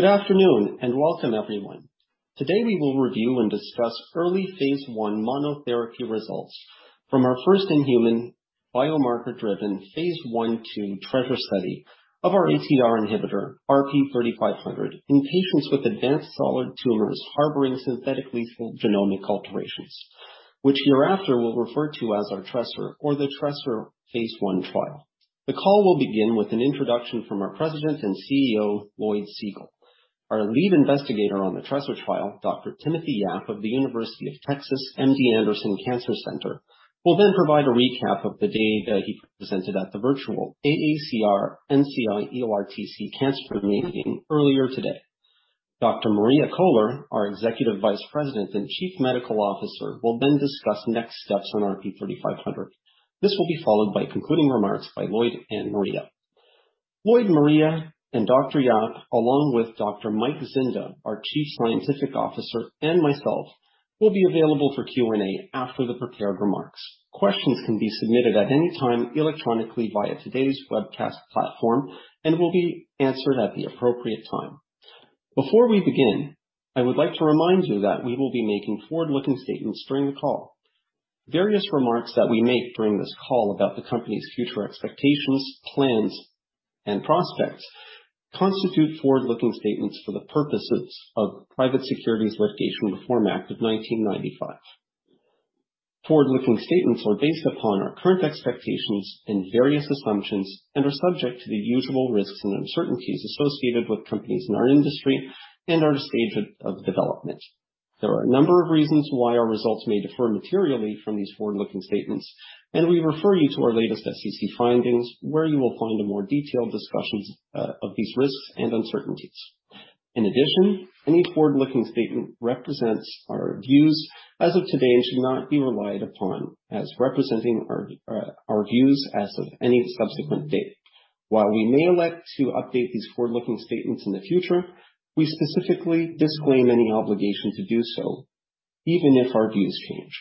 Good afternoon, welcome everyone. Today we will review and discuss early phase I monotherapy results from our first in-human biomarker-driven phase I/II TRESR study of our ATR inhibitor, RP-3500, in patients with advanced solid tumors harboring synthetic lethal genomic alterations, which hereafter we'll refer to as our TRESR or the TRESR phase I trial. The call will begin with an introduction from our President and CEO, Lloyd Segal. Our lead investigator on the TRESR trial, Dr. Timothy Yap of The University of Texas MD Anderson Cancer Center, will then provide a recap of the data he presented at the virtual AACR-NCI-EORTC cancer meeting earlier today. Dr. Maria Koehler, our Executive Vice President and Chief Medical Officer, will then discuss next steps on RP-3500. This will be followed by concluding remarks by Lloyd and Maria. Lloyd, Maria, and Dr. Timothy Yap, along with Dr. Michael Zinda, our Chief Scientific Officer, and myself, will be available for Q&A after the prepared remarks. Questions can be submitted at any time electronically via today's webcast platform and will be answered at the appropriate time. Before we begin, I would like to remind you that we will be making forward-looking statements during the call. Various remarks that we make during this call about the company's future expectations, plans, and prospects constitute forward-looking statements for the purposes of Private Securities Litigation Reform Act of 1995. Forward-looking statements are based upon our current expectations and various assumptions and are subject to the usual risks and uncertainties associated with companies in our industry and our stage of development. There are a number of reasons why our results may differ materially from these forward-looking statements, and we refer you to our latest SEC filings, where you will find a more detailed discussions of these risks and uncertainties. In addition, any forward-looking statement represents our views as of today and should not be relied upon as representing our views as of any subsequent date. While we may elect to update these forward-looking statements in the future, we specifically disclaim any obligation to do so even if our views change.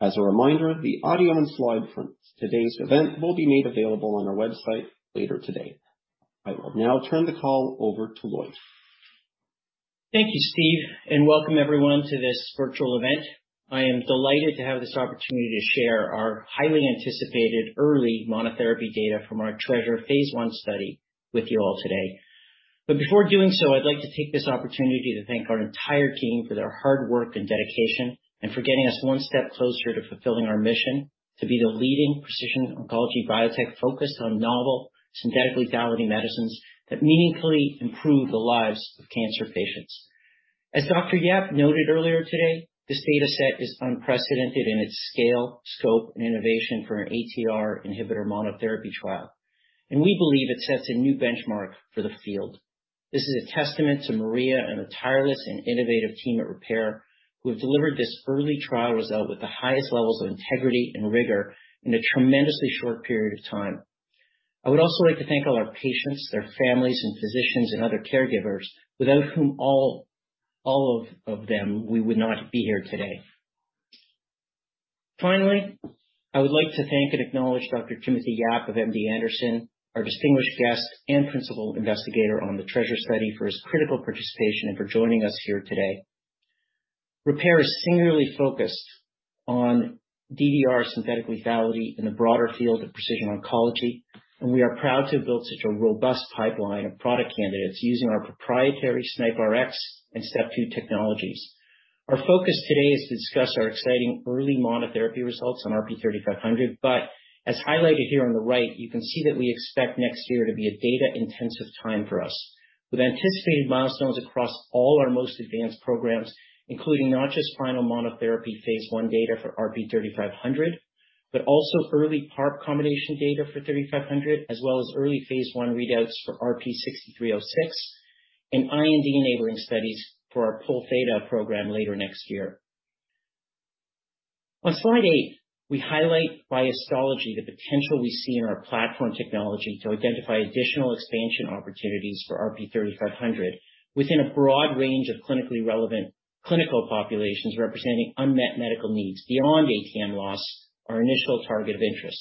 As a reminder, the audio and slide from today's event will be made available on our website later today. I will now turn the call over to Lloyd. Thank you, Steve, and welcome everyone to this virtual event. I am delighted to have this opportunity to share our highly anticipated early monotherapy data from our TRESR phase I study with you all today. Before doing so, I'd like to take this opportunity to thank our entire team for their hard work and dedication, and for getting us one step closer to fulfilling our mission to be the leading precision oncology biotech focused on novel synthetic lethality medicines that meaningfully improve the lives of cancer patients. As Dr. Yap noted earlier today, this data set is unprecedented in its scale, scope, and innovation for an ATR inhibitor monotherapy trial, and we believe it sets a new benchmark for the field. This is a testament to Maria and the tireless and innovative team at Repare, who have delivered this early trial result with the highest levels of integrity and rigor in a tremendously short period of time. I would also like to thank all our patients, their families, and physicians, and other caregivers, without whom all of them we would not be here today. Finally, I would like to thank and acknowledge Dr. Timothy Yap of MD Anderson, our distinguished guest and principal investigator on the TRESR study, for his critical participation and for joining us here today. Repare is singularly focused on DDR synthetic lethality in the broader field of precision oncology, and we are proud to have built such a robust pipeline of product candidates using our proprietary SNIPRx and STEP2 technologies. Our focus today is to discuss our exciting early monotherapy results on RP-3500, but as highlighted here on the right, you can see that we expect next year to be a data-intensive time for us, with anticipated milestones across all our most advanced programs, including not just final monotherapy phase I data for RP-3500, but also early PARP combination data for 3500, as well as early phase I readouts for RP-6306 and IND-enabling studies for our Pol Theta program later next year. On slide 8, we highlight by histology the potential we see in our platform technology to identify additional expansion opportunities for RP-3500 within a broad range of clinically relevant clinical populations representing unmet medical needs beyond ATM loss, our initial target of interest.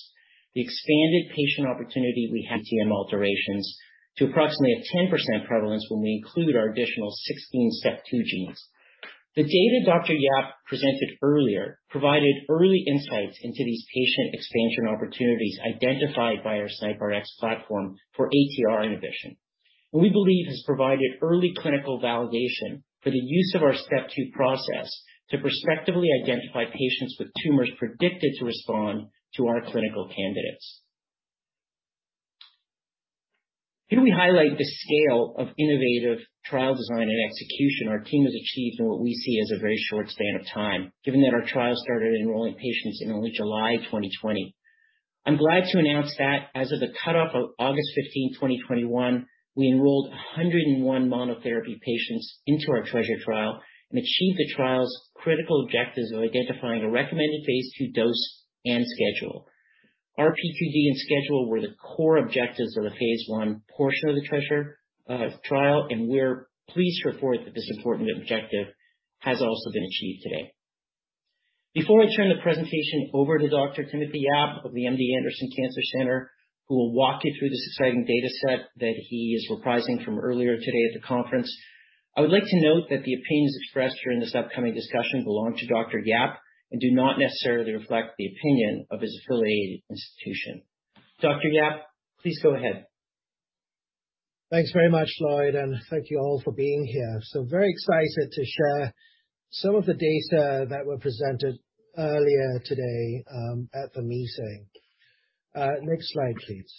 The expanded patient opportunity we have ATM alterations to approximately a 10% prevalence when we include our additional 16 STEP2 genes. The data Dr. Yap presented earlier provided early insights into these patient expansion opportunities identified by our SNIPRx platform for ATR inhibition, and we believe has provided early clinical validation for the use of our STEP2 process to prospectively identify patients with tumors predicted to respond to our clinical candidates. Here we highlight the scale of innovative trial design and execution our team has achieved in what we see as a very short span of time, given that our trial started enrolling patients in only July 2020. I'm glad to announce that as of the cutoff of August 15, 2021, we enrolled 101 monotherapy patients into our TRESR trial and achieved the trial's critical objectives of identifying a recommended phase II dose and schedule. RP2D and schedule were the core objectives of the phase I portion of the TRESR trial, and we're pleased to report that this important objective has also been achieved today. Before I turn the presentation over to Dr. Timothy Yap of the MD Anderson Cancer Center, who will walk you through this exciting data set that he is reprising from earlier today at the conference, I would like to note that the opinions expressed during this upcoming discussion belong to Dr. Yap and do not necessarily reflect the opinion of his affiliated institution. Dr. Yap, please go ahead. Thanks very much, Lloyd, and thank you all for being here. Very excited to share some of the data that were presented earlier today at the meeting. Next slide, please.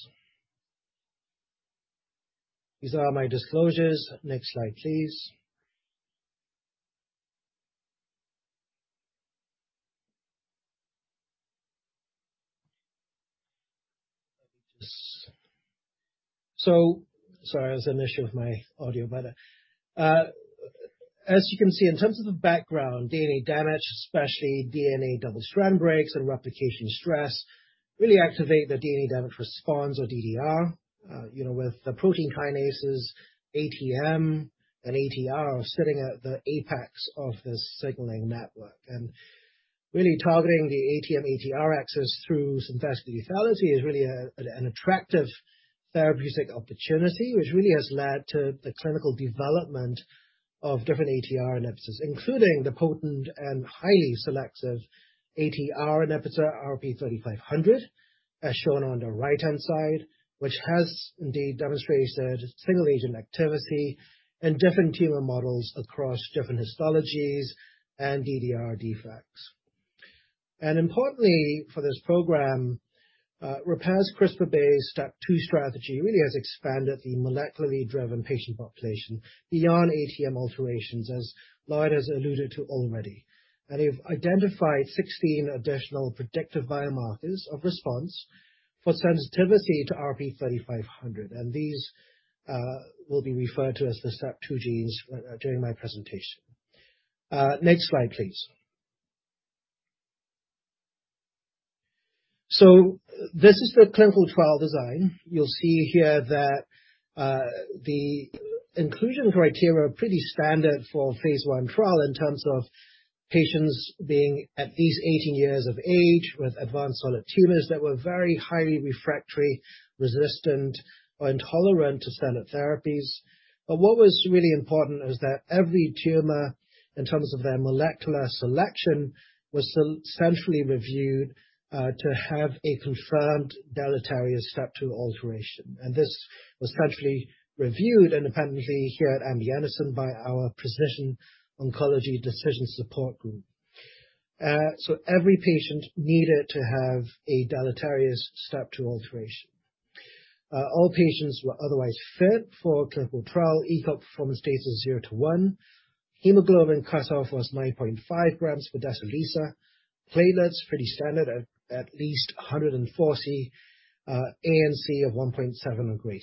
These are my disclosures. Next slide, please. Sorry, I was having an issue with my audio. As you can see, in terms of the background, DNA damage, especially DNA double-strand breaks and replication stress, really activate the DNA damage response or DDR with the protein kinases ATM and ATR sitting at the apex of this signaling network. Really targeting the ATM/ATR axis through synthetic lethality is really an attractive therapeutic opportunity, which really has led to the clinical development of different ATR inhibitors, including the potent and highly selective ATR inhibitor, RP-3500, as shown on the right-hand side, which has indeed demonstrated single-agent activity in different tumor models across different histologies and DDR defects. Importantly for this program, Repare's CRISPR-based STEP2 strategy really has expanded the molecularly driven patient population beyond ATM alterations, as Lloyd has alluded to already, and they've identified 16 additional predictive biomarkers of response for sensitivity to RP-3500. These will be referred to as the STEP2 genes during my presentation. Next slide, please. This is the clinical trial design. You'll see here that the inclusion criteria are pretty standard for phase I trial in terms of patients being at least 18 years of age with advanced solid tumors that were very highly refractory, resistant, or intolerant to standard therapies. What was really important is that every tumor, in terms of their molecular selection, was centrally reviewed to have a confirmed deleterious STEP2 alteration. This was centrally reviewed independently here at MD Anderson by our Precision Oncology Decision Support Group. Every patient needed to have a deleterious STEP2 alteration. All patients were otherwise fit for clinical trial, ECOG performance status of 0-1. Hemoglobin cutoff was 9.5 grams for decilitre. Platelets, pretty standard at least 140, ANC of 1.7 or greater.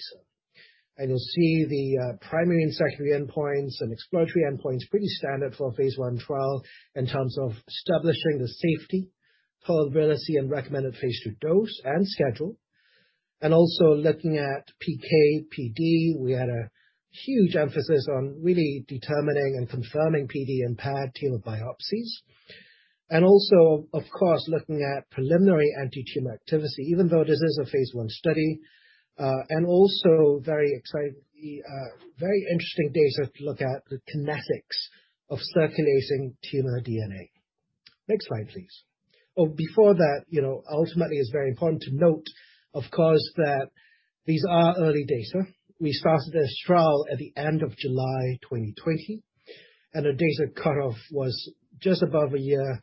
You'll see the primary and secondary endpoints and exploratory endpoints, pretty standard for a phase I trial in terms of establishing the safety, tolerability, and recommended phase II dose and schedule. Also looking at PK/PD. We had a huge emphasis on really determining and confirming PD in paired tumor biopsies. Also, of course, looking at preliminary anti-tumor activity, even though this is a phase I study. Also very exciting, very interesting data to look at the kinetics of circulating tumor DNA. Next slide, please. Before that, it's very important to note, of course, that these are early data. The data cutoff was just above a year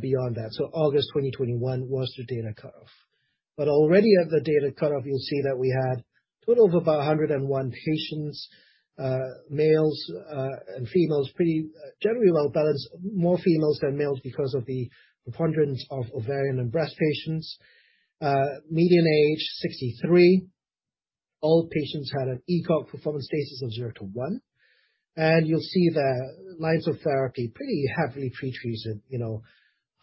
beyond that. August 2021 was the data cutoff. Already at the data cutoff, you'll see that we had a total of about 101 patients, males and females, pretty generally well-balanced. More females than males because of the preponderance of ovarian and breast patients. Median age, 63. All patients had an ECOG performance status of zero-one. You'll see there lines of therapy, pretty heavily pre-treated.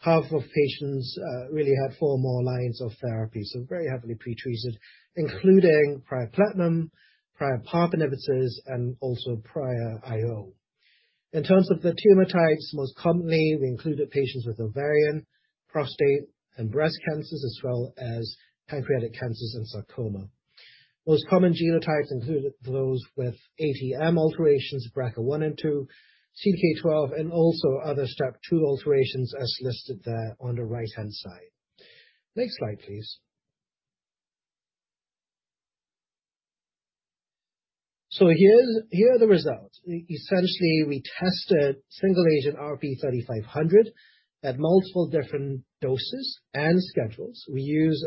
Half of patients really had four more lines of therapy, very heavily pre-treated, including prior platinum, prior PARP inhibitors, and also prior IO. In terms of the tumor types, most commonly, we included patients with ovarian, prostate, and breast cancers, as well as pancreatic cancers and sarcoma. Most common genotypes included those with ATM alterations, BRCA one and two, CDK12, and also other STEP2 alterations as listed there on the right-hand side. Next slide, please. Here are the results. Essentially, we tested single-agent RP-3500 at multiple different doses and schedules. We used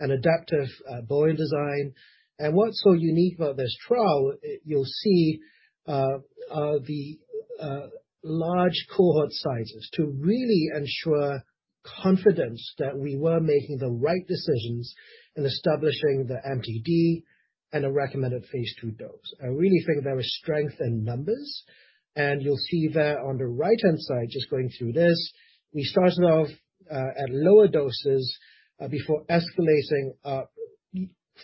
an adaptive Bayesian design. What's so unique about this trial, you'll see the large cohort sizes to really ensure confidence that we were making the right decisions in establishing the MTD and a recommended phase II dose. I really think there is strength in numbers. You'll see there on the right-hand side, just going through this, we started off at lower doses before escalating up,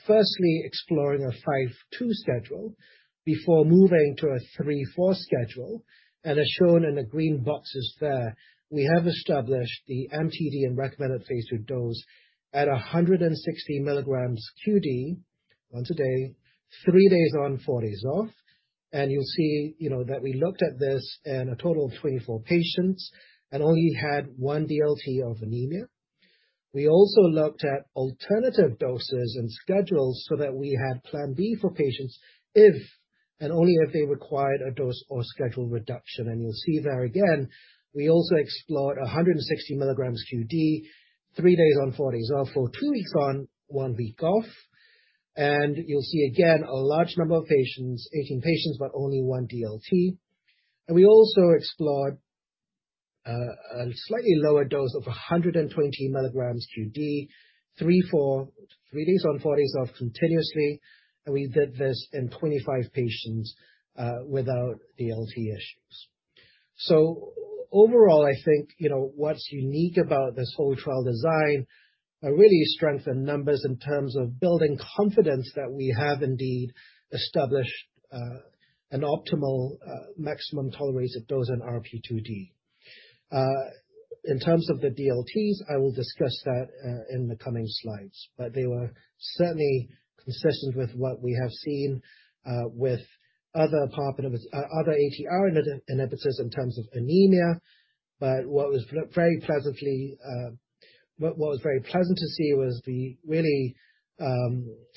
firstly, exploring a 5/2 schedule before moving to a 3/4 schedule. As shown in the green boxes there, we have established the MTD and recommended phase II dose at 160 mg QD, once a day, three days on, four days off. You'll see that we looked at this in a total of 24 patients and only had one DLT of anemia. We also looked at alternative doses and schedules so that we had plan B for patients if and only if they required a dose or schedule reduction. You'll see there again, we also explored 160 mg QD, three days on, four days off, or two weeks on, one week off. You'll see again a large number of patients, 18 patients, but only one DLT. We also explored a slightly lower dose of 120 mg QD, three days on, four days off continuously, and we did this in 25 patients, without DLT issues. Overall, I think what's unique about this whole trial design are really strength in numbers in terms of building confidence that we have indeed established an optimal maximum tolerated dose in RP2D. In terms of the DLTs, I will discuss that in the coming slides, but they were certainly consistent with what we have seen with other ATR inhibitors in terms of anemia. What was very pleasant to see was the really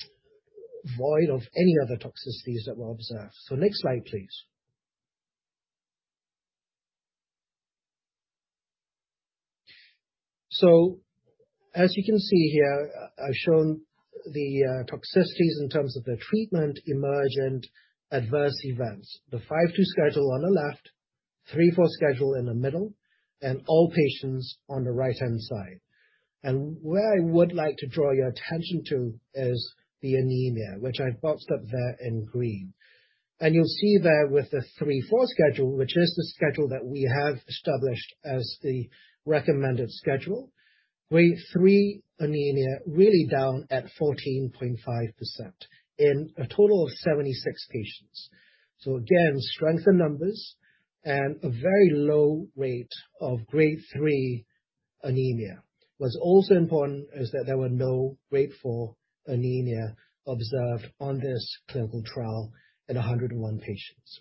void of any other toxicities that were observed. Next slide, please. As you can see here, I've shown the toxicities in terms of the treatment emergent adverse events. The 5/2 schedule on the left, 3/4 schedule in the middle, and all patients on the right-hand side. Where I would like to draw your attention to is the anemia, which I've boxed up there in green. You'll see there with the 3/4 schedule, which is the schedule that we have established as the recommended schedule, grade 3 anemia really down at 14.5% in a total of 76 patients. Again, strength in numbers and a very low rate of grade 3 anemia. What's also important is that there were no grade 4 anemia observed on this clinical trial in 101 patients.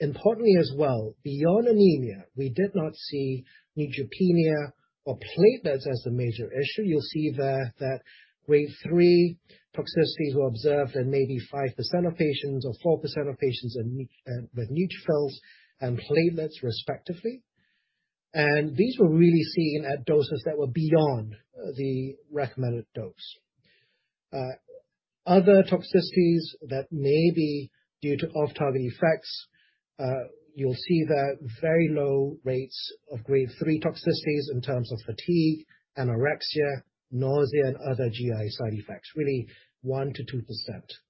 Importantly as well, beyond anemia, we did not see neutropenia or platelets as a major issue. You'll see there that grade 3 toxicities were observed in maybe 5% of patients or 4% of patients with neutrophils and platelets respectively. These were really seen at doses that were beyond the recommended dose. Other toxicities that may be due to off-target effects, you'll see there very low rates of grade 3 toxicities in terms of fatigue, anorexia, nausea, and other GI side effects, really 1%-2%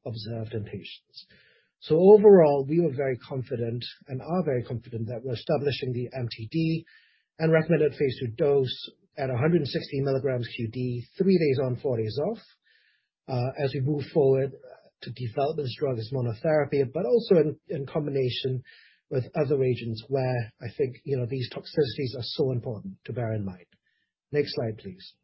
observed in patients. Overall, we were very confident and are very confident that we're establishing the MTD and recommended phase II dose at 160 milligrams QD, three days on, four days off, as we move forward to develop this drug as monotherapy, but also in combination with other agents where I think these toxicities are so important to bear in mind. Next slide, please.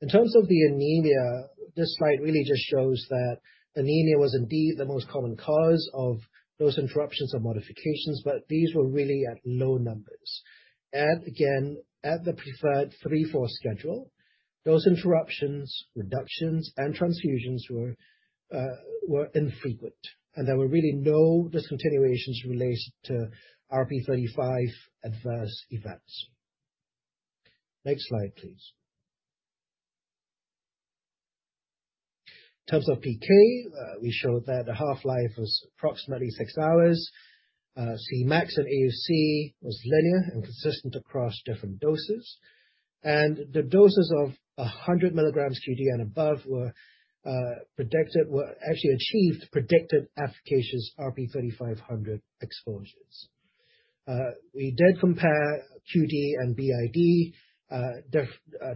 In terms of the anemia, this slide really just shows that anemia was indeed the most common cause of dose interruptions or modifications, These were really at low numbers. Again, at the preferred 3/4 schedule, dose interruptions, reductions, and transfusions were infrequent, and there were really no discontinuations related to RP35 adverse events. Next slide, please. In terms of PK, we showed that the half-life was approximately 6 hours. Cmax and AUC was linear and consistent across different doses. The doses of 100 milligrams QD and above were actually achieved predicted efficacious RP-3500 exposures. We did compare QD and BID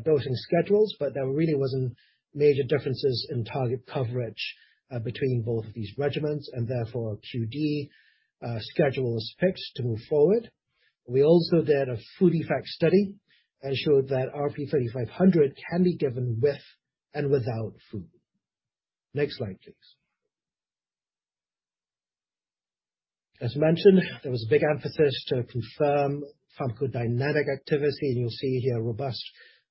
dosing schedules, there really wasn't major differences in target coverage between both of these regimens. Therefore, a QD schedule was picked to move forward. We also did a food effect study and showed that RP-3500 can be given with and without food. Next slide, please. As mentioned, there was a big emphasis to confirm pharmacodynamic activity, and you'll see here robust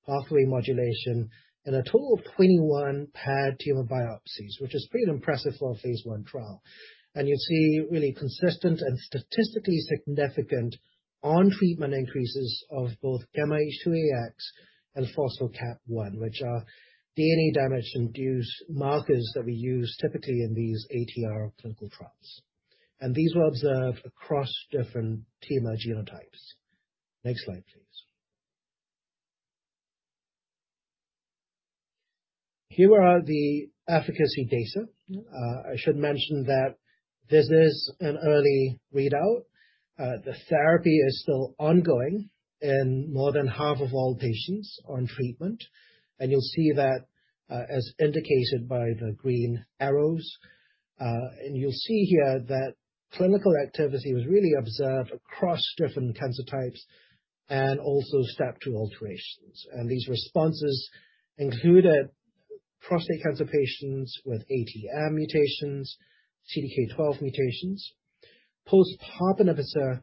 pathway modulation in a total of 21 paired tumor biopsies, which is pretty impressive for a phase I trial. You'll see really consistent and statistically significant on-treatment increases of both gamma H2AX and phospho-KAP1, which are DNA damage-induced markers that we use typically in these ATR clinical trials. These were observed across different tumor genotypes. Next slide, please. Here are the efficacy data. I should mention that this is an early readout. The therapy is still ongoing, and more than half of all patients are on treatment. You'll see that as indicated by the green arrows. You'll see here that clinical activity was really observed across different cancer types and also STEP2 alterations. These responses included prostate cancer patients with ATM mutations, CDK12 mutations, post-PARP inhibitor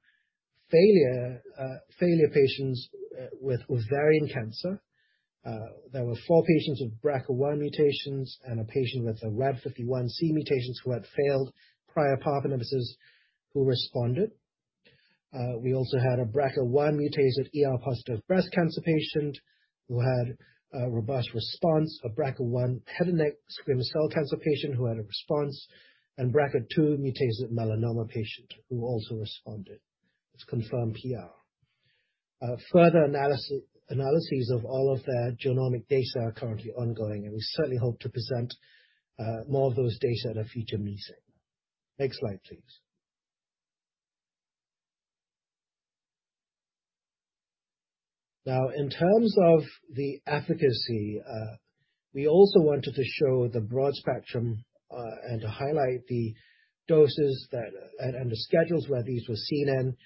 failure patients with ovarian cancer. There were four patients with BRCA1 mutations and a patient with a RAD51C mutations who had failed prior PARP inhibitors who responded. We also had a BRCA1 mutated ER-positive breast cancer patient who had a robust response, a BRCA1 head and neck squamous cell cancer patient who had a response, and BRCA2 mutated melanoma patient who also responded. It's confirmed PR. Further analyses of all of their genomic data are currently ongoing, and we certainly hope to present more of those data at a future meeting. Next slide, please. In terms of the efficacy, we also wanted to show the broad spectrum and to highlight the doses and the schedules where these were seen in.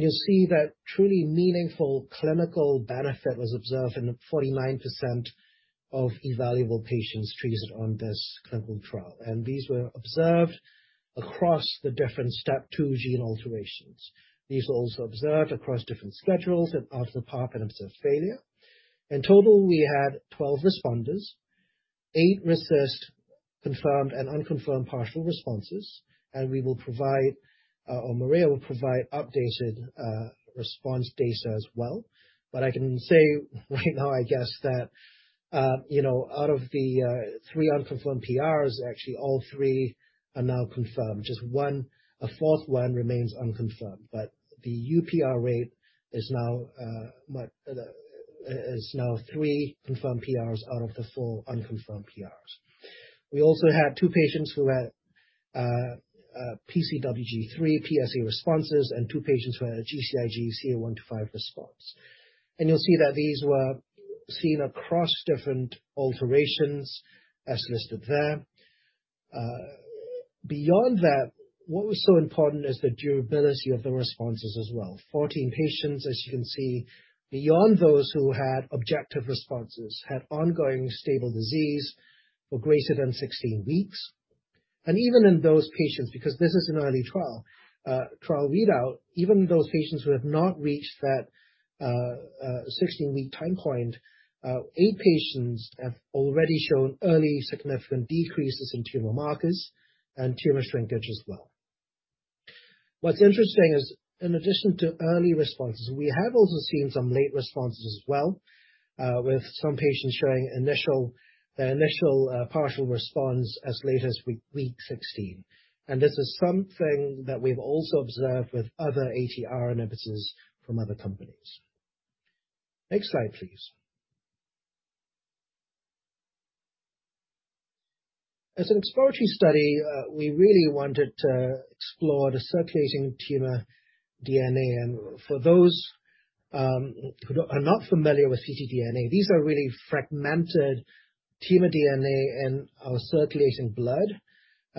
You'll see that truly meaningful clinical benefit was observed in 49% of evaluable patients treated on this clinical trial. These were observed across the different STEP2 gene alterations. These also observed across different schedules and after PARP inhibitor failure. In total, we had 12 responders, eight RECIST confirmed and unconfirmed partial responses, Maria will provide updated response data as well. I can say right now, I guess, that out of the three unconfirmed PRs, actually all three are now confirmed. Just one, a fourth one, remains unconfirmed. The UPR rate is now three confirmed PRs out of the four unconfirmed PRs. We also had two patients who had PCWG3 PSA responses and two patients who had a GCIG CA125 response. You'll see that these were seen across different alterations as listed there. Beyond that, what was so important is the durability of the responses as well. 14 patients, as you can see, beyond those who had objective responses, had ongoing stable disease for greater than 16 weeks. Even in those patients, because this is an early trial readout, even those patients who have not reached that 16-week time point, eight patients have already shown early significant decreases in tumor markers and tumor shrinkage as well. What's interesting is in addition to early responses, we have also seen some late responses as well, with some patients showing initial partial response as late as week 16. This is something that we've also observed with other ATR inhibitors from other companies. Next slide, please. As an exploratory study, we really wanted to explore the circulating tumor DNA. For those who are not familiar with ctDNA, these are really fragmented tumor DNA in our circulating blood,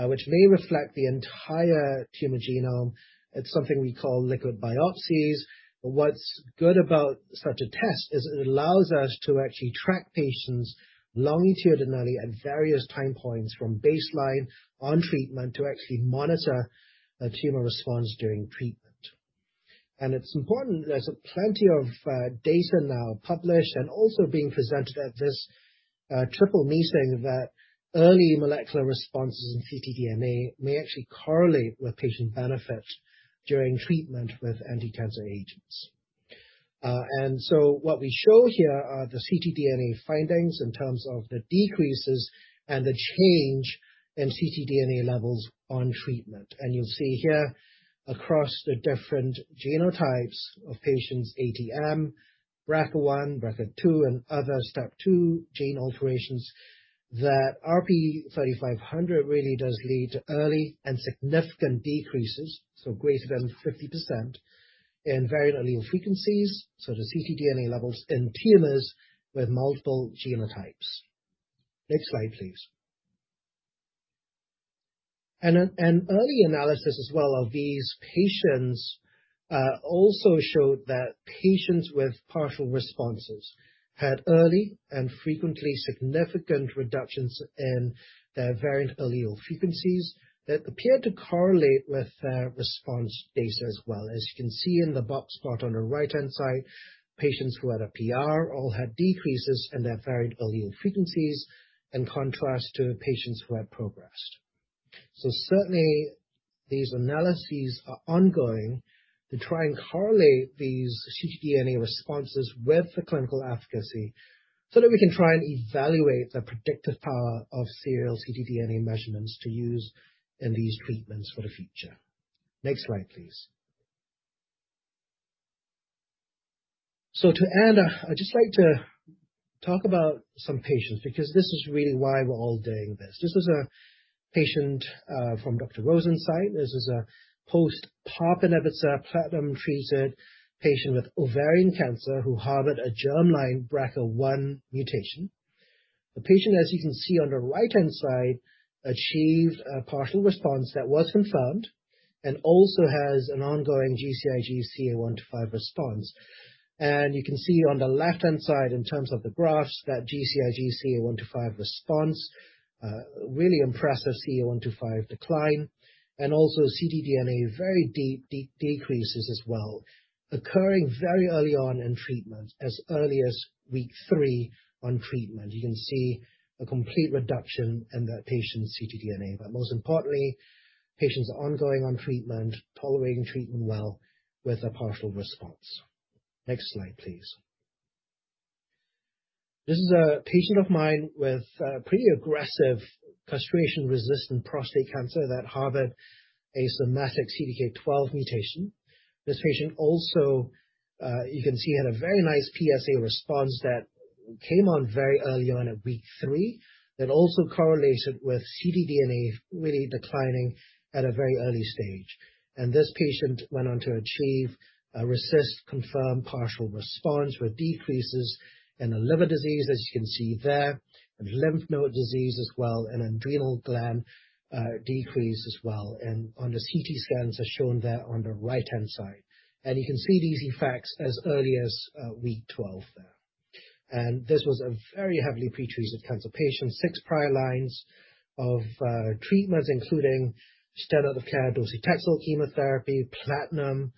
which may reflect the entire tumor genome. It's something we call liquid biopsies. What's good about such a test is it allows us to actually track patients longitudinally at various time points from baseline on treatment to actually monitor a tumor response during treatment. It's important, there's plenty of data now published and also being presented at this triple meeting that early molecular responses in ctDNA may actually correlate with patient benefit during treatment with anticancer agents. What we show here are the ctDNA findings in terms of the decreases and the change in ctDNA levels on treatment. You'll see here across the different genotypes of patients, ATM, BRCA1, BRCA2, and other STEP2 gene alterations, that RP-3500 really does lead to early and significant decreases, so greater than 50% in variant allele frequencies. The ctDNA levels in tumors with multiple genotypes. Next slide, please. An early analysis as well of these patients also showed that patients with partial responses had early and frequently significant reductions in their variant allele frequencies that appeared to correlate with their response data as well. As you can see in the box plot on the right-hand side, patients who had a PR all had decreases in their variant allele frequencies in contrast to patients who had progressed. Certainly, these analyses are ongoing to try and correlate these ctDNA responses with the clinical efficacy so that we can try and evaluate the predictive power of serial ctDNA measurements to use in these treatments for the future. Next slide, please. To end, I'd just like to talk about some patients, because this is really why we're all doing this. This is a patient from Dr. Rosen's site. This is a post PARP inhibitor platinum-treated patient with ovarian cancer who harbored a germline BRCA1 mutation. The patient, as you can see on the right-hand side, achieved a partial response that was confirmed and also has an ongoing GCIG CA125 response. You can see on the left-hand side, in terms of the graphs, that GCIG CA125 response, really impressive CA125 decline and also ctDNA, very deep decreases as well, occurring very early on in treatment, as early as week three on treatment. You can see a complete reduction in that patient's ctDNA. Most importantly, patients are ongoing on treatment, tolerating treatment well with a partial response. Next slide, please. This is a patient of mine with pretty aggressive castration-resistant prostate cancer that harbored a somatic CDK12 mutation. This patient also, you can see, had a very nice PSA response that came on very early on at week three. It also correlated with ctDNA really declining at a very early stage. This patient went on to achieve a RECIST-confirmed partial response with decreases in the liver disease, as you can see there, and lymph node disease as well, and adrenal gland decrease as well, and on the CT scans are shown there on the right-hand side. You can see these effects as early as week 12 there. This was a very heavily pretreated cancer patient, six prior lines of treatments, including standard of care docetaxel chemotherapy, platinum,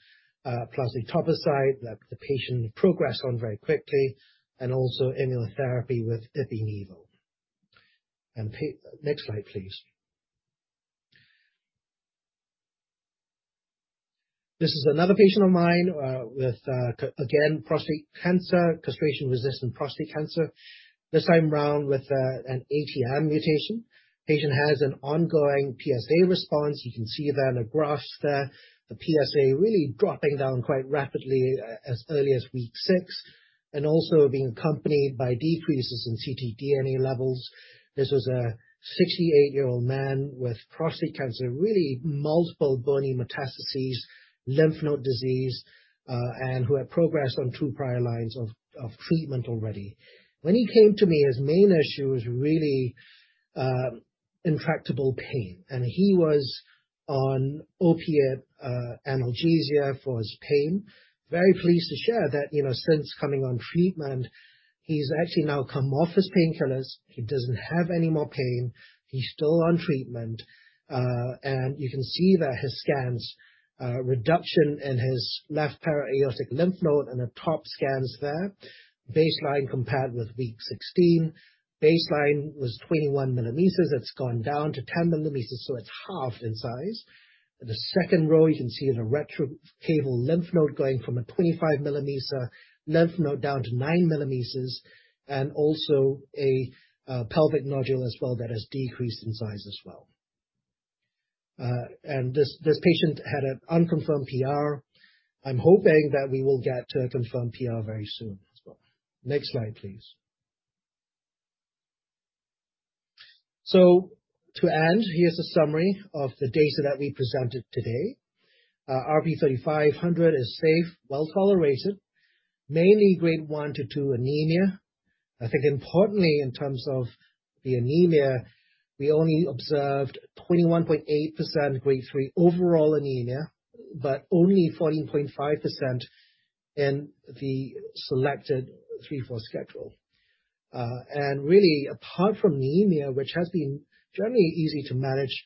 plus etoposide that the patient progressed on very quickly, and also immunotherapy with ipi/nivo. Next slide, please. This is another patient of mine with, again, prostate cancer, castration-resistant prostate cancer, this time round with an ATM mutation. Patient has an ongoing PSA response. You can see there on the graphs there, the PSA really dropping down quite rapidly as early as week six and also being accompanied by decreases in ctDNA levels. This was a 68-year-old man with prostate cancer, really multiple bony metastases, lymph node disease, and who had progressed on two prior lines of treatment already. When he came to me, his main issue was really intractable pain, and he was on opiate analgesia for his pain. Very pleased to share that since coming on treatment, he's actually now come off his painkillers. He doesn't have any more pain. He's still on treatment. You can see that his scans reduction in his left para-aortic lymph node and the top scans there, baseline compared with week 16. Baseline was 21 millimeters. It's gone down to 10 millimeters, so it's halved in size. The second row you can see is a retrocaval lymph node going from a 25 millimeter lymph node down to 9 millimeters and also a pelvic nodule as well that has decreased in size as well. This patient had an unconfirmed PR. I'm hoping that we will get a confirmed PR very soon as well. Next slide, please. To end, here's a summary of the data that we presented today. RP-3500 is safe, well-tolerated, mainly grade 1-2 anemia. I think importantly, in terms of the anemia, we only observed 21.8% grade 3 overall anemia but only 14.5% in the selected 3-4 schedule. Really, apart from anemia, which has been generally easy to manage,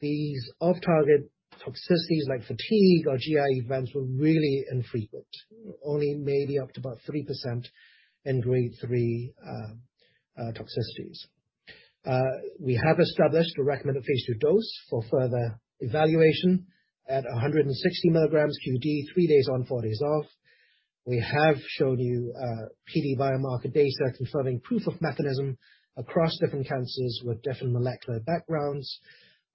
these off-target toxicities like fatigue or GI events were really infrequent, only maybe up to about 3% in grade 3 toxicities. We have established a recommended phase II dose for further evaluation at 160 milligrams QD, three days on, four days off. We have shown you PD biomarker data confirming proof of mechanism across different cancers with different molecular backgrounds.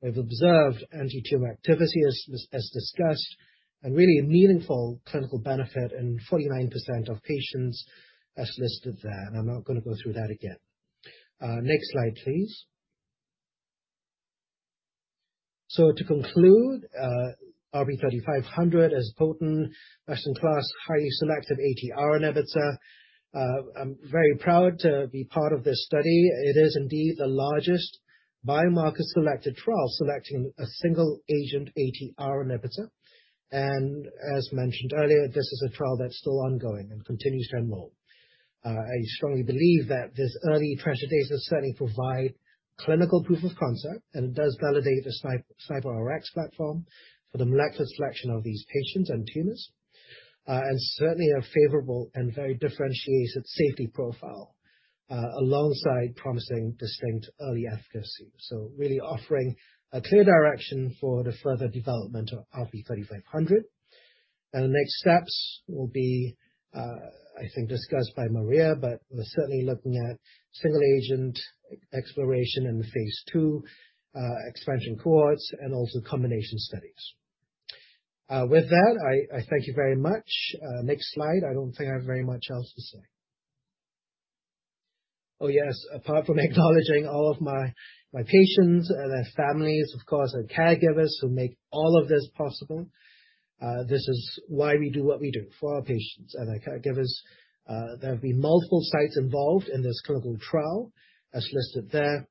We've observed anti-tumor activity as discussed and really a meaningful clinical benefit in 49% of patients as listed there. I'm not going to go through that again. Next slide, please. To conclude, RP-3500 is a potent best-in-class, highly selective ATR inhibitor. I'm very proud to be part of this study. It is indeed the largest biomarker-selected trial selecting a single-agent ATR inhibitor. As mentioned earlier, this is a trial that's still ongoing and continues to enroll. I strongly believe that this early TRESR data certainly provide clinical proof of concept. It does validate the SNIPRx platform for the molecular selection of these patients and tumors, certainly a favorable and very differentiated safety profile alongside promising distinct early efficacy. Really offering a clear direction for the further development of RP-3500. The next steps will be, I think, discussed by Maria, but we're certainly looking at single-agent exploration in the phase II expansion cohorts and also combination studies. With that, I thank you very much. Next slide. I don't think I have very much else to say. Oh, yes. Apart from acknowledging all of my patients and their families, of course, and caregivers who make all of this possible. This is why we do what we do, for our patients and our caregivers. There have been multiple sites involved in this clinical trial, as listed there.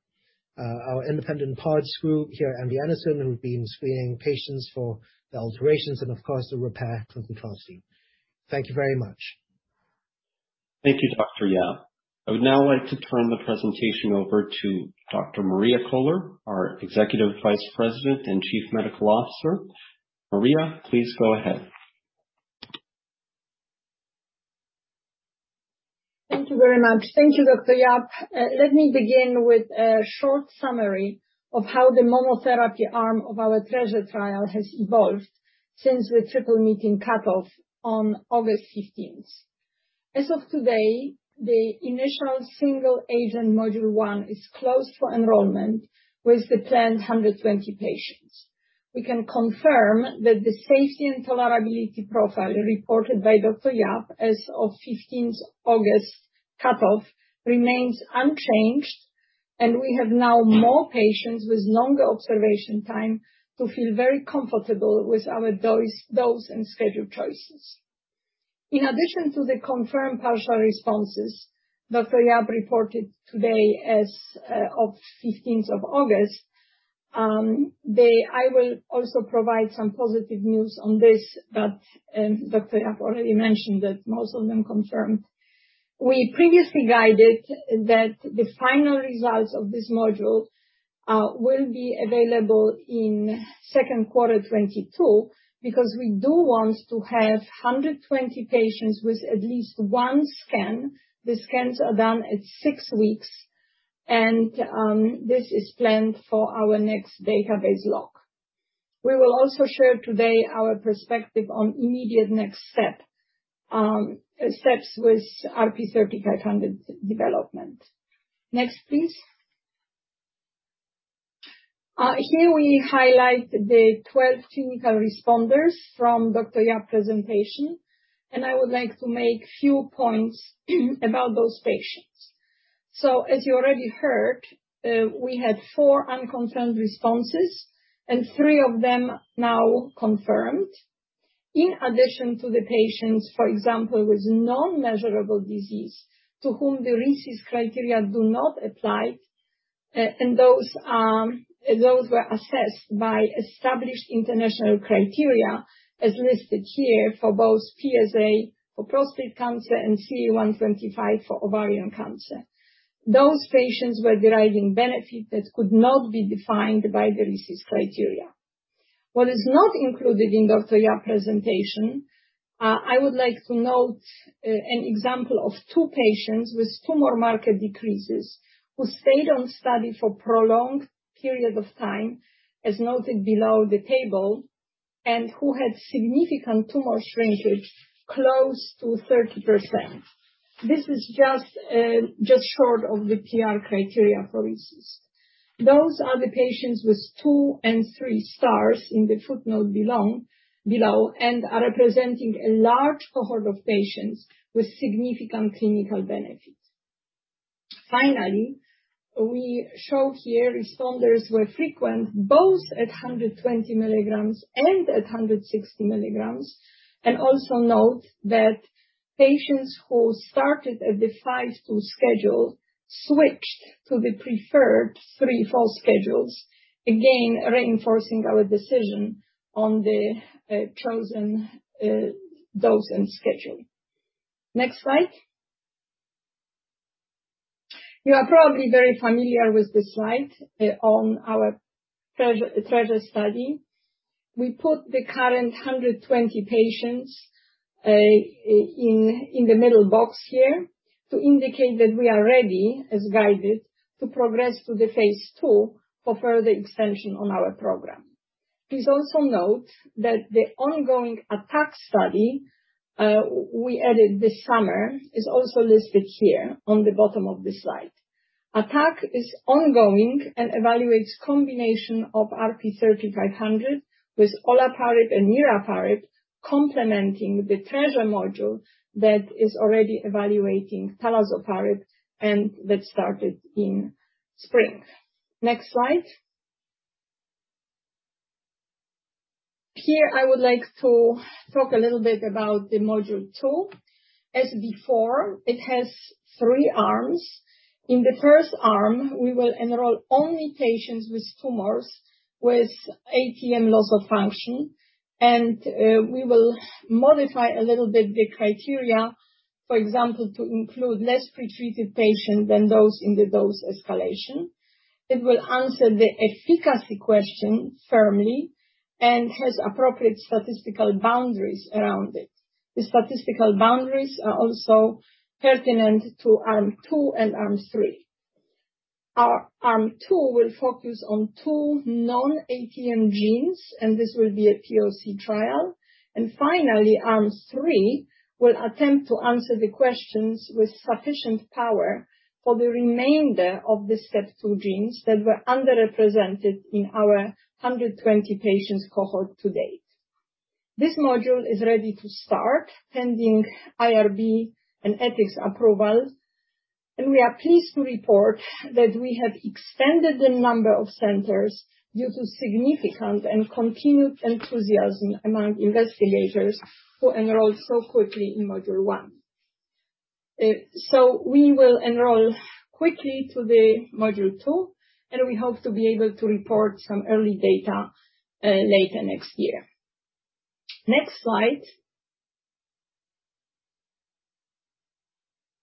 Our independent PODS group here at MD Anderson, who have been screening patients for the alterations and, of course, the Repare clinical assay. Thank you very much. Thank you, Dr. Yap. I would now like to turn the presentation over to Dr. Maria Koehler, our Executive Vice President and Chief Medical Officer. Maria, please go ahead. Thank you very much. Thank you, Dr. Yap. Let me begin with a short summary of how the monotherapy arm of our TRESR trial has evolved since the triple meeting cutoff on August 15th. As of today, the initial single-agent module 1 is closed for enrollment with the planned 120 patients. We can confirm that the safety and tolerability profile reported by Dr. Yap as of 15th August cutoff remains unchanged. We have now more patients with longer observation time to feel very comfortable with our dose and schedule choices. In addition to the confirmed partial responses Dr. Yap reported today as of 15th of August, I will also provide some positive news on this. Dr. Yap already mentioned that most of them confirmed. We previously guided that the final results of this module will be available in second quarter 2022 because we do want to have 120 patients with at least one scan. The scans are done at six weeks, and this is planned for our next database lock. We will also share today our perspective on immediate next steps with RP-3500 development. Next, please. Here we highlight the 12 clinical responders from Dr. Yap presentation, and I would like to make three points about those patients. As you already heard, we had four unconfirmed responses and three of them now confirmed. In addition to the patients, for example, with non-measurable disease to whom the RECIST criteria do not apply, and those were assessed by established international criteria as listed here for both PSA for prostate cancer and CA 125 for ovarian cancer. Those patients were deriving benefit that could not be defined by the RECIST criteria. What is not included in Dr. Yap presentation, I would like to note an example of two patients with tumor marker decreases who stayed on study for prolonged period of time, as noted below the table, and who had significant tumor shrinkage close to 30%. This is just short of the PR criteria for RECIST. Those are the patients with two and three stars in the footnote below and are representing a large cohort of patients with significant clinical benefit. Finally, we show here responders were frequent both at 120 milligrams and at 160 milligrams, and also note that patients who started at the 5-2 schedule switched to the preferred 3-4 schedules, again, reinforcing our decision on the chosen dose and schedule. Next slide. You are probably very familiar with this slide on our TRESR study. We put the current 120 patients in the middle box here to indicate that we are ready, as guided, to progress to the phase II for further extension on our program. Please also note that the ongoing ATTACC study we added this summer is also listed here on the bottom of the slide. ATTACC is ongoing and evaluates combination of RP-3500 with olaparib and niraparib, complementing the TRESR module that is already evaluating talazoparib and that started in spring. Next slide. Here, I would like to talk a little bit about the module 2. As before, it has three arms. In the first arm, we will enroll only patients with tumors with ATM loss of function, and we will modify a little bit the criteria, for example, to include less pretreated patients than those in the dose escalation. It will answer the efficacy question firmly and has appropriate statistical boundaries around it. The statistical boundaries are also pertinent to arm 2 and arm 3. Our arm 2 will focus on 2 non-ATM genes, this will be a POC trial. Finally, arm 3 will attempt to answer the questions with sufficient power for the remainder of the STEP2 genes that were underrepresented in our 120 patients cohort to date. This module is ready to start pending IRB and ethics approval. We are pleased to report that we have extended the number of centers due to significant and continued enthusiasm among investigators who enrolled so quickly in module 1. We will enroll quickly to the module 2, and we hope to be able to report some early data later next year. Next slide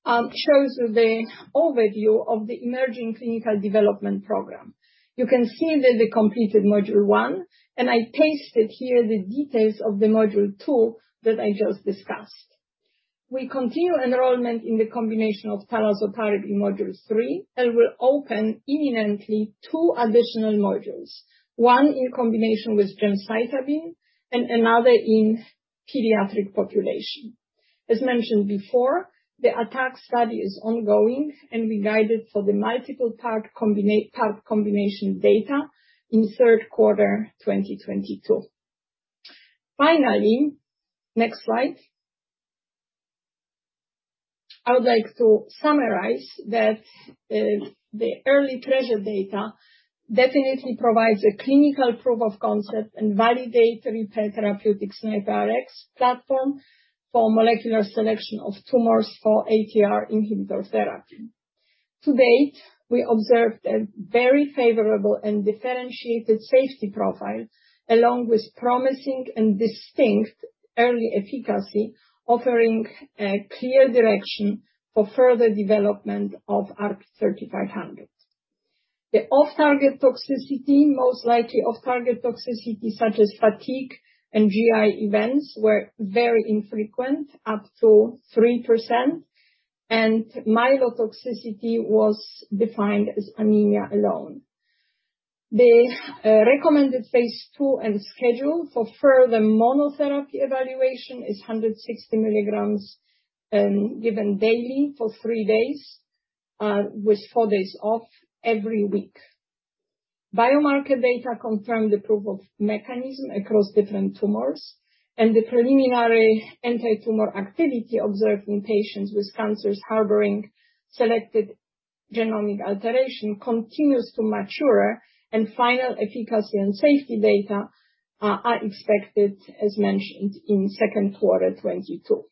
shows the overview of the emerging clinical development program. You can see that they completed module 1, and I pasted here the details of the module 2 that I just discussed. We continue enrollment in the combination of talazoparib in module 3, and will open imminently two additional modules. One in combination with gemcitabine and another in pediatric population. As mentioned before, the ATTACC study is ongoing and we guided for the multiple PARP combination data in third quarter 2022. Finally, next slide. I would like to summarize that the early TRESR data definitely provides a clinical proof of concept and validates Repare Therapeutics' SNIPRx platform for molecular selection of tumors for ATR inhibitor therapy. To date, we observed a very favorable and differentiated safety profile along with promising and distinct early efficacy, offering a clear direction for further development of RP-3500. The off-target toxicity, most likely off-target toxicity such as fatigue and GI events, were very infrequent, up to 3%, and myelotoxicity was defined as anemia alone. The recommended phase II and schedule for further monotherapy evaluation is 160 milligrams given daily for three days, with four days off every week. Biomarker data confirmed the proof of mechanism across different tumors, and the preliminary anti-tumor activity observed in patients with cancers harboring selected genomic alteration continues to mature, and final efficacy and safety data are expected, as mentioned, in second quarter 2022.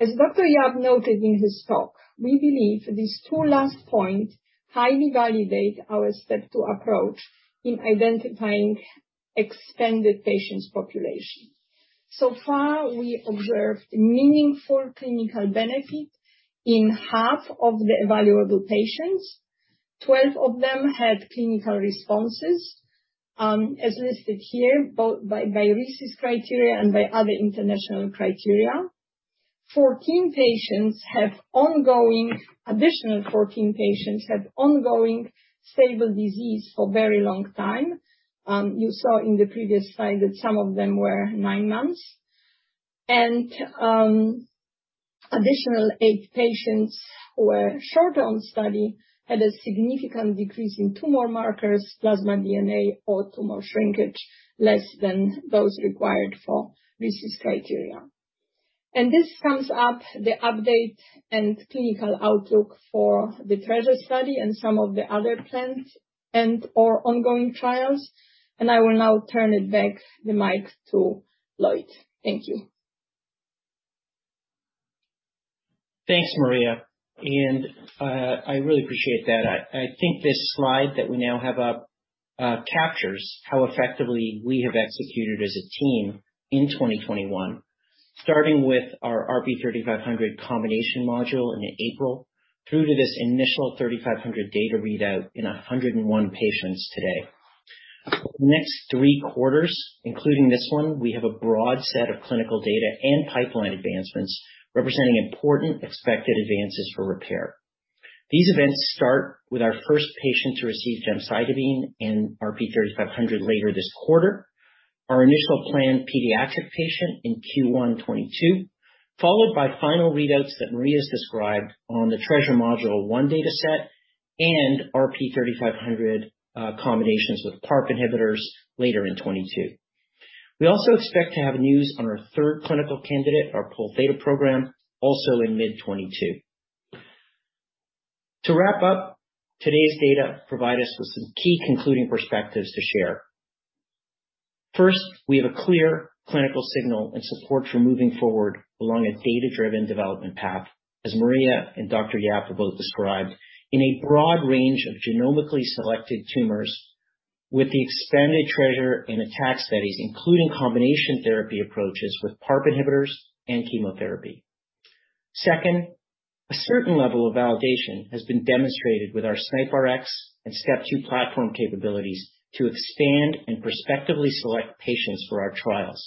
As Dr. Yap noted in his talk, we believe these two last points highly validate our STEP2 approach in identifying expanded patients population. So far, we observed meaningful clinical benefit in half of the evaluable patients. 12 of them had clinical responses, as listed here, both by RECIST criteria and by other international criteria. 14 patients have ongoing stable disease for very long time. You saw in the previous slide that some of them were nine months. Additional eight patients who were short on study had a significant decrease in tumor markers, plasma DNA, or tumor shrinkage, less than those required for RECIST criteria. This sums up the update and clinical outlook for the TRESR study and some of the other planned and/or ongoing trials. I will now turn it back, the mic, to Lloyd. Thank you. Thanks, Maria, and I really appreciate that. I think this slide that we now have up captures how effectively we have executed as a team in 2021. Starting with our RP-3500 combination module in April, through to this initial RP-3500 data readout in 101 patients today. For the next three quarters, including this one, we have a broad set of clinical data and pipeline advancements representing important expected advances for Repare. These events start with our first patient to receive gemcitabine and RP-3500 later this quarter, our initial planned pediatric patient in Q1 2022, followed by final readouts that Maria's described on the TRESR module one data set and RP-3500 combinations with PARP inhibitors later in 2022. We also expect to have news on our third clinical candidate, our Pol Theta program, also in mid 2022. To wrap up, today's data provide us with some key concluding perspectives to share. First, we have a clear clinical signal and support for moving forward along a data-driven development path, as Maria and Dr. Yap have both described, in a broad range of genomically selected tumors with the expanded TRESR and ATTACC studies, including combination therapy approaches with PARP inhibitors and chemotherapy. Second, a certain level of validation has been demonstrated with our SNIPRx and STEP2 platform capabilities to expand and prospectively select patients for our trials.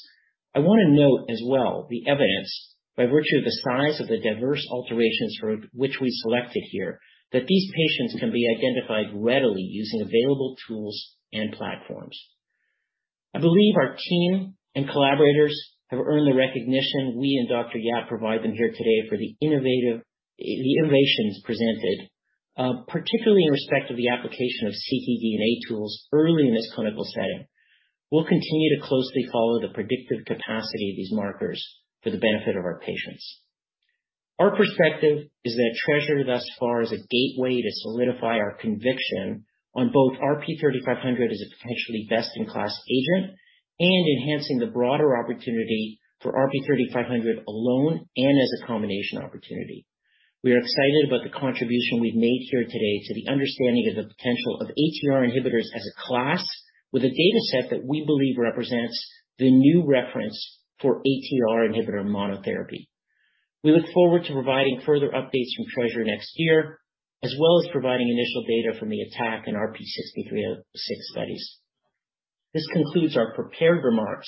I want to note as well the evidence, by virtue of the size of the diverse alterations for which we selected here, that these patients can be identified readily using available tools and platforms. I believe our team and collaborators have earned the recognition we and Dr. Yap provide them here today for the innovations presented. Particularly in respect of the application of ctDNA tools early in this clinical setting, we'll continue to closely follow the predictive capacity of these markers for the benefit of our patients. Our perspective is that TRESR thus far is a gateway to solidify our conviction on both RP-3500 as a potentially best-in-class agent and enhancing the broader opportunity for RP-3500 alone and as a combination opportunity. We are excited about the contribution we've made here today to the understanding of the potential of ATR inhibitors as a class, with a data set that we believe represents the new reference for ATR inhibitor monotherapy. We look forward to providing further updates from TRESR next year, as well as providing initial data from the ATTACC and RP-6306 studies. This concludes our prepared remarks,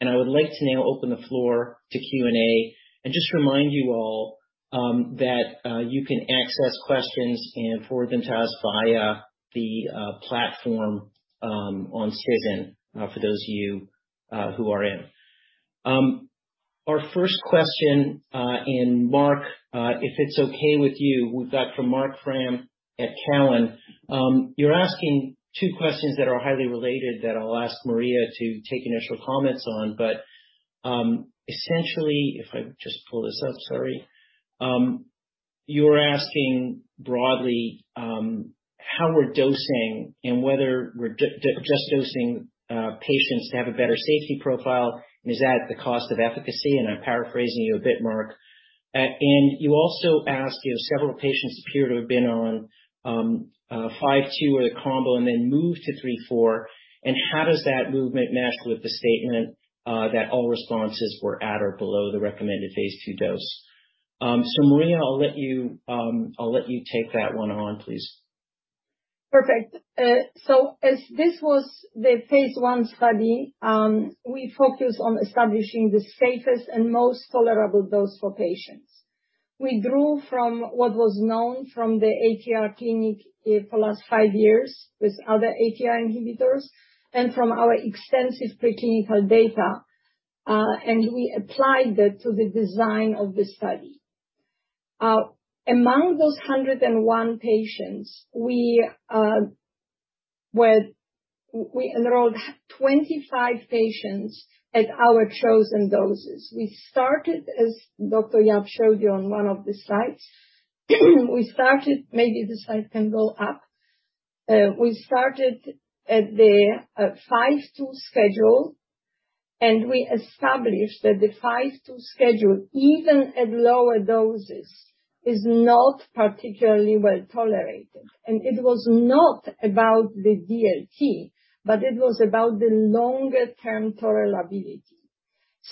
and I would like to now open the floor to Q&A and just remind you all that you can access questions and forward them to us via the platform on Cision for those of you who are in. Our first question, Marc, if it's okay with you, we've got from Marc Frahm at Cowen. You're asking two questions that are highly related that I'll ask Maria to take initial comments on. Essentially, if I just pull this up, sorry. You're asking broadly how we're dosing and whether we're just dosing patients to have a better safety profile, and is that at the cost of efficacy? I'm paraphrasing you a bit, Marc. You also ask, several patients appear to have been on five two or the combo and then moved to three four, how does that movement mesh with the statement that all responses were at or below the recommended phase II dose? Maria, I'll let you take that one on, please. Perfect. As this was the phase I study, we focused on establishing the safest and most tolerable dose for patients. We drew from what was known from the ATR clinic for the last five years with other ATR inhibitors and from our extensive preclinical data. We applied that to the design of the study. Among those 101 patients, we enrolled 25 patients at our chosen doses. We started, as Dr. Yap showed you on one of the slides. Maybe the slide can go up. We started at the 5-2 schedule, we established that the 5-2 schedule, even at lower doses, is not particularly well-tolerated. It was not about the DLT, but it was about the longer-term tolerability.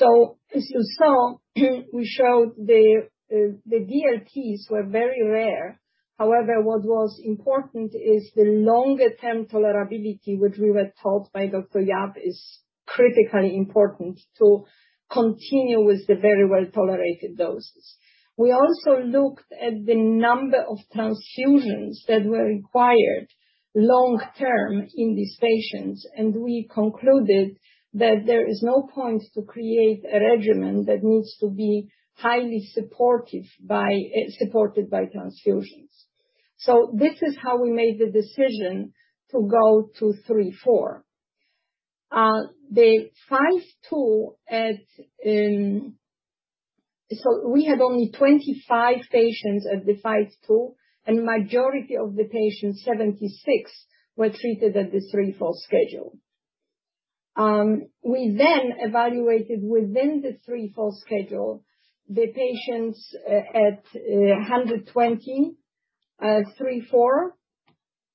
As you saw, we showed the DLTs were very rare. However, what was important is the longer-term tolerability, which we were told by Dr. Timothy Yap is critically important to continue with the very well-tolerated doses. We also looked at the number of transfusions that were required long-term in these patients, and we concluded that there is no point to create a regimen that needs to be highly supported by transfusions. This is how we made the decision to go to three-four. We had only 25 patients at the 5-2, and majority of the patients, 76, were treated at the three-four schedule. We evaluated within the three-four schedule, the patients at 120, 3-4.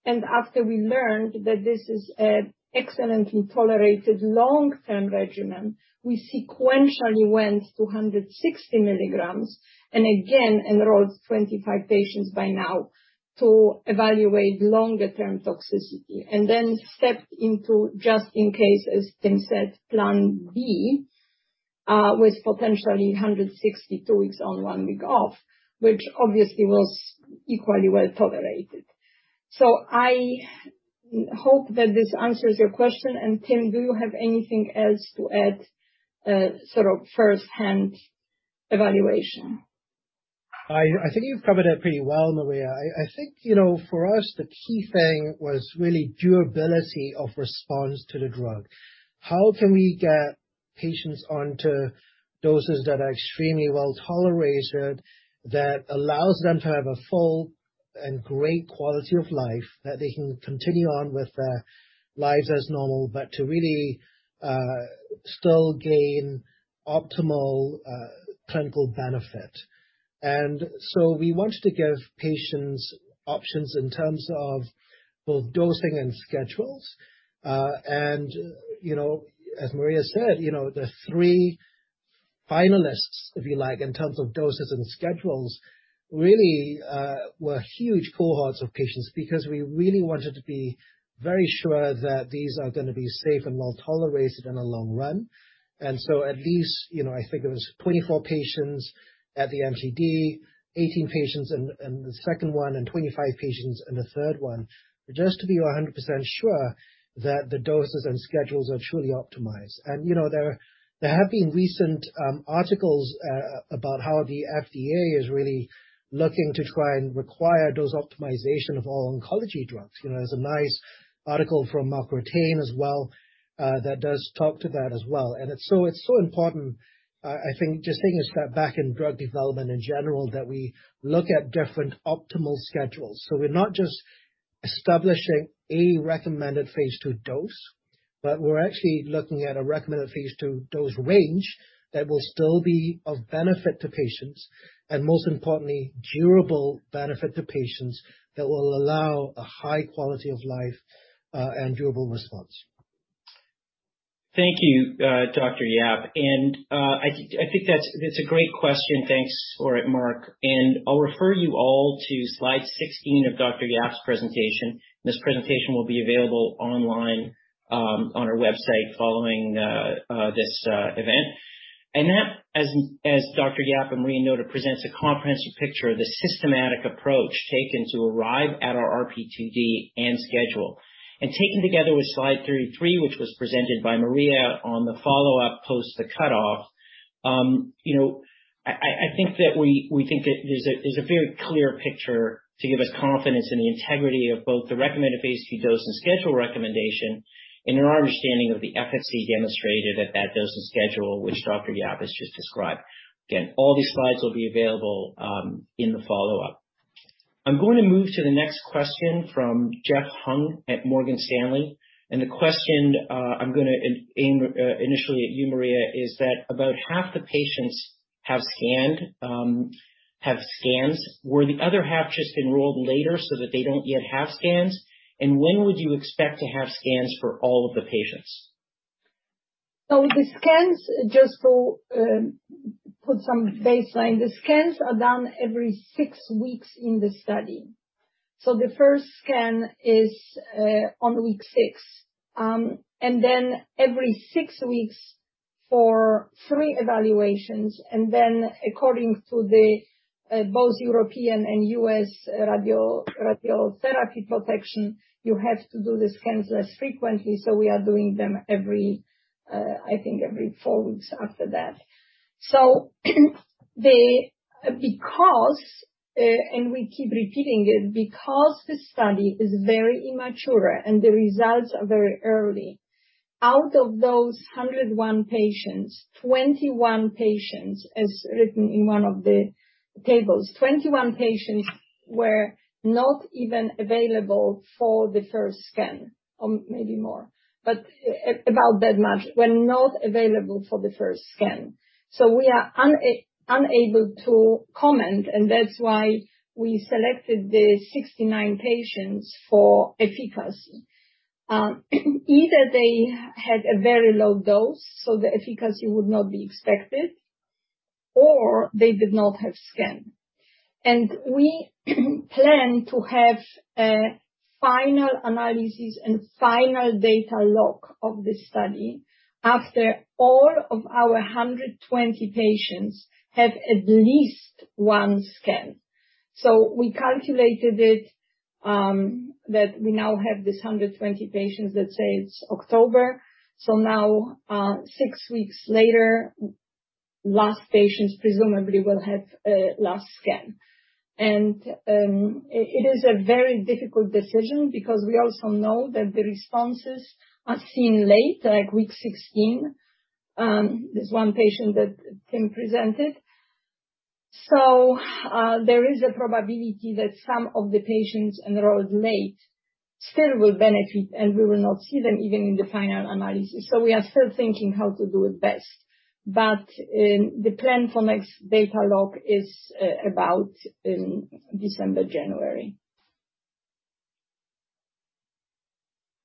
After we learned that this is an excellently tolerated long-term regimen, we sequentially went to 160 milligrams and again enrolled 25 patients by now to evaluate longer-term toxicity. Stepped into just in case, as Tim said, plan B, with potentially 162 weeks on, one week off, which obviously was equally well-tolerated. I hope that this answers your question, and Tim, do you have anything else to add, sort of firsthand evaluation. I think you've covered it pretty well, Maria. I think for us, the key thing was really durability of response to the drug. How can we get patients onto doses that are extremely well-tolerated, that allows them to have a full and great quality of life, that they can continue on with their lives as normal, but to really still gain optimal clinical benefit. We wanted to give patients options in terms of both dosing and schedules. As Maria said, the three finalists, if you like, in terms of doses and schedules, really were huge cohorts of patients because we really wanted to be very sure that these are going to be safe and well-tolerated in the long run. At least, I think it was 24 patients at the MTD, 18 patients in the second one, and 25 patients in the third one, just to be 100% sure that the doses and schedules are truly optimized. There have been recent articles about how the FDA is really looking to try and require dose optimization of all oncology drugs. There's a nice article from Mark Ratain as well that does talk to that as well. It's so important, I think, just taking a step back in drug development in general, that we look at different optimal schedules. We're not just establishing a recommended phase II dose. We're actually looking at a recommended phase II dose range that will still be of benefit to patients, and most importantly, durable benefit to patients that will allow a high quality of life, and durable response. Thank you, Dr. Yap. I think that's a great question. Thanks for it, Marc. I'll refer you all to slide 16 of Dr. Yap's presentation. This presentation will be available online, on our website following this event. That, as Dr. Yap and Maria noted, presents a comprehensive picture of the systematic approach taken to arrive at our RP2D and schedule. Taken together with slide 33, which was presented by Maria on the follow-up post the cutoff, I think that there's a very clear picture to give us confidence in the integrity of both the recommended phase II dose and schedule recommendation and in our understanding of the efficacy demonstrated at that dose and schedule, which Dr. Yap has just described. Again, all these slides will be available in the follow-up. I'm going to move to the next question from Jeff Hung at Morgan Stanley. The question I'm going to aim initially at you, Maria, is that about half the patients have scans. Were the other half just enrolled later so that they don't yet have scans? When would you expect to have scans for all of the patients? Just to put some baseline, the scans are done every six weeks in the study. The first scan is on week six, and then every six weeks for three evaluations. According to both European and U.S. radiotherapy protection, you have to do the scans less frequently, so we are doing them I think every four weeks after that. We keep repeating it, because the study is very immature and the results are very early, out of those 101 patients, 21 patients, as written in one of the tables, 21 patients were not even available for the first scan, or maybe more. About that much were not available for the first scan. We are unable to comment, and that's why we selected the 69 patients for efficacy. Either they had a very low dose, so the efficacy would not be expected, or they did not have scan. We plan to have a final analysis and final data lock of the study after all of our 120 patients have at least one scan. We calculated it, that we now have these 120 patients. Let's say it's October, now, six weeks later, last patients presumably will have last scan. It is a very difficult decision because we also know that the responses are seen late, like week 16. There's one patient that Tim presented. There is a probability that some of the patients enrolled late still will benefit, and we will not see them even in the final analysis. We are still thinking how to do it best. The plan for next data lock is about in December, January.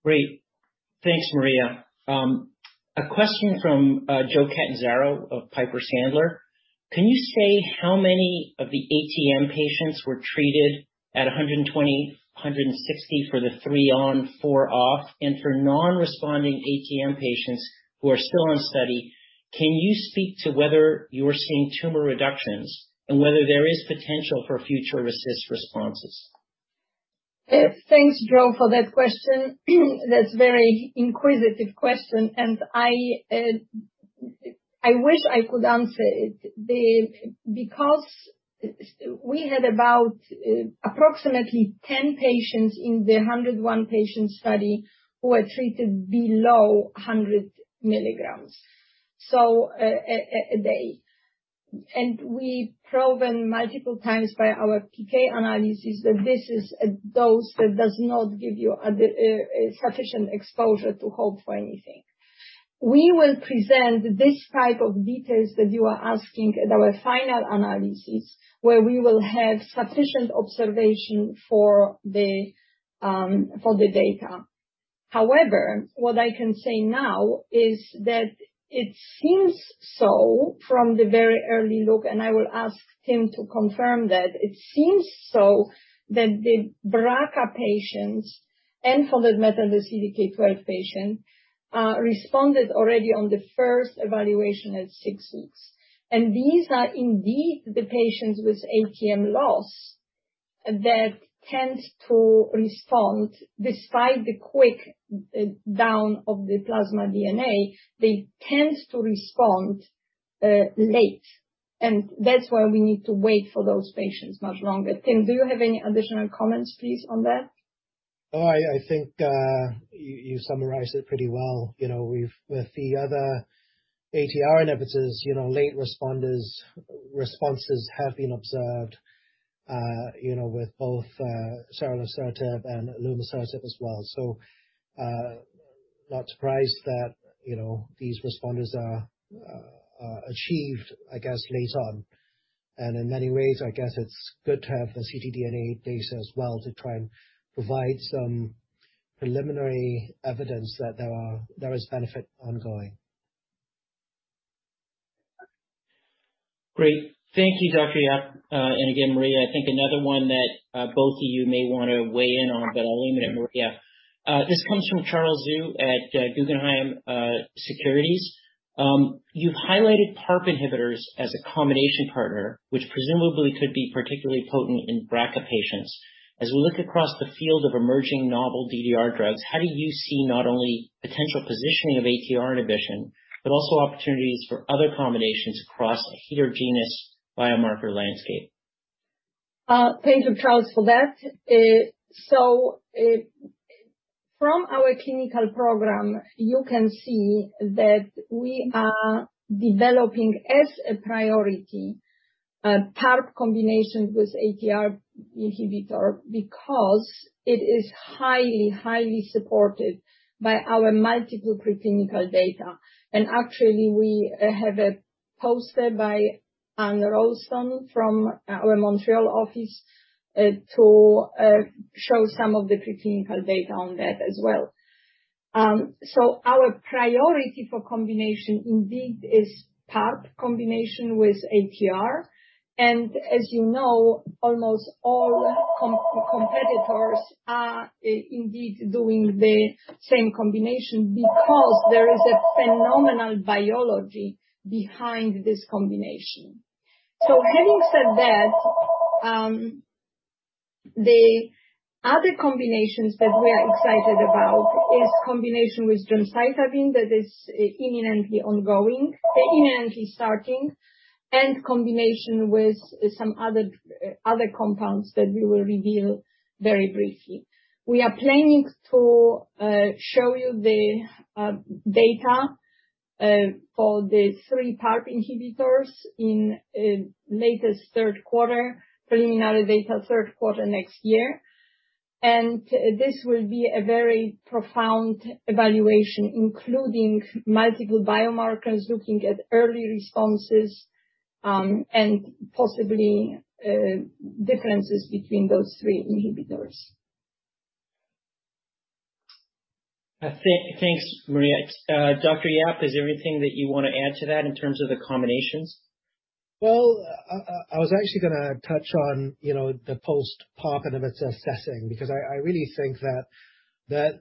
Great. Thanks, Maria. A question from Joseph Catanzaro of Piper Sandler. Can you say how many of the ATM patients were treated at 120, 160 for the three on, four off? For non-responding ATM patients who are still on study, can you speak to whether you're seeing tumor reductions and whether there is potential for future RECIST responses? Thanks, Joe for that question. That's very inquisitive question. I wish I could answer it. We had about approximately 10 patients in the 101-patient study who were treated below 100 milligrams a day. We've proven multiple times by our PK analysis that this is a dose that does not give you a sufficient exposure to hope for anything. We will present this type of details that you are asking at our final analysis, where we will have sufficient observation for the data. However, what I can say now is that it seems so from the very early look, and I will ask Timothy to confirm that, it seems so that the BRCA patients and for that matter, the CDK12 patients, responded already on the first evaluation at six weeks. These are indeed the patients with ATM loss that tends to respond despite the quick down of the plasma DNA, they tend to respond late. That's why we need to wait for those patients much longer. Timothy Yap, do you have any additional comments, please, on that? Oh, I think you summarized it pretty well. With the other ATR inhibitors, late responders responses have been observed with both ceralasertib and elimusertib as well. Not surprised that these responders are achieved, I guess, later on. In many ways, I guess it's good to have the ctDNA data as well to try and provide some preliminary evidence that there is benefit ongoing. Great. Thank you, Dr. Yap. Again, Maria, I think another one that both of you may want to weigh in on, but I'll aim it at Maria. This comes from Charles Zhu at Guggenheim Securities. You've highlighted PARP inhibitors as a combination partner, which presumably could be particularly potent in BRCA patients. As we look across the field of emerging novel DDR drugs, how do you see not only potential positioning of ATR inhibition, but also opportunities for other combinations across a heterogeneous biomarker landscape? Thank you, Charles, for that. From our clinical program, you can see that we are developing as a priority a PARP combination with ATR inhibitor because it is highly supported by our multiple preclinical data. Actually, we have a poster by Anne Roulston from our Montreal office to show some of the preclinical data on that as well. Our priority for combination indeed is PARP combination with ATR. As you know, almost all competitors are indeed doing the same combination because there is a phenomenal biology behind this combination. Having said that, the other combinations that we are excited about is combination with gemcitabine that is imminently starting. Combination with some other compounds that we will reveal very briefly. We are planning to show you the data for the three PARP inhibitors in latest third quarter, preliminary data third quarter next year. This will be a very profound evaluation, including multiple biomarkers, looking at early responses, and possibly differences between those three inhibitors. Thanks, Maria. Dr. Yap, is there anything that you want to add to that in terms of the combinations? Well, I was actually going to touch on the post PARP inhibitor setting, because I really think that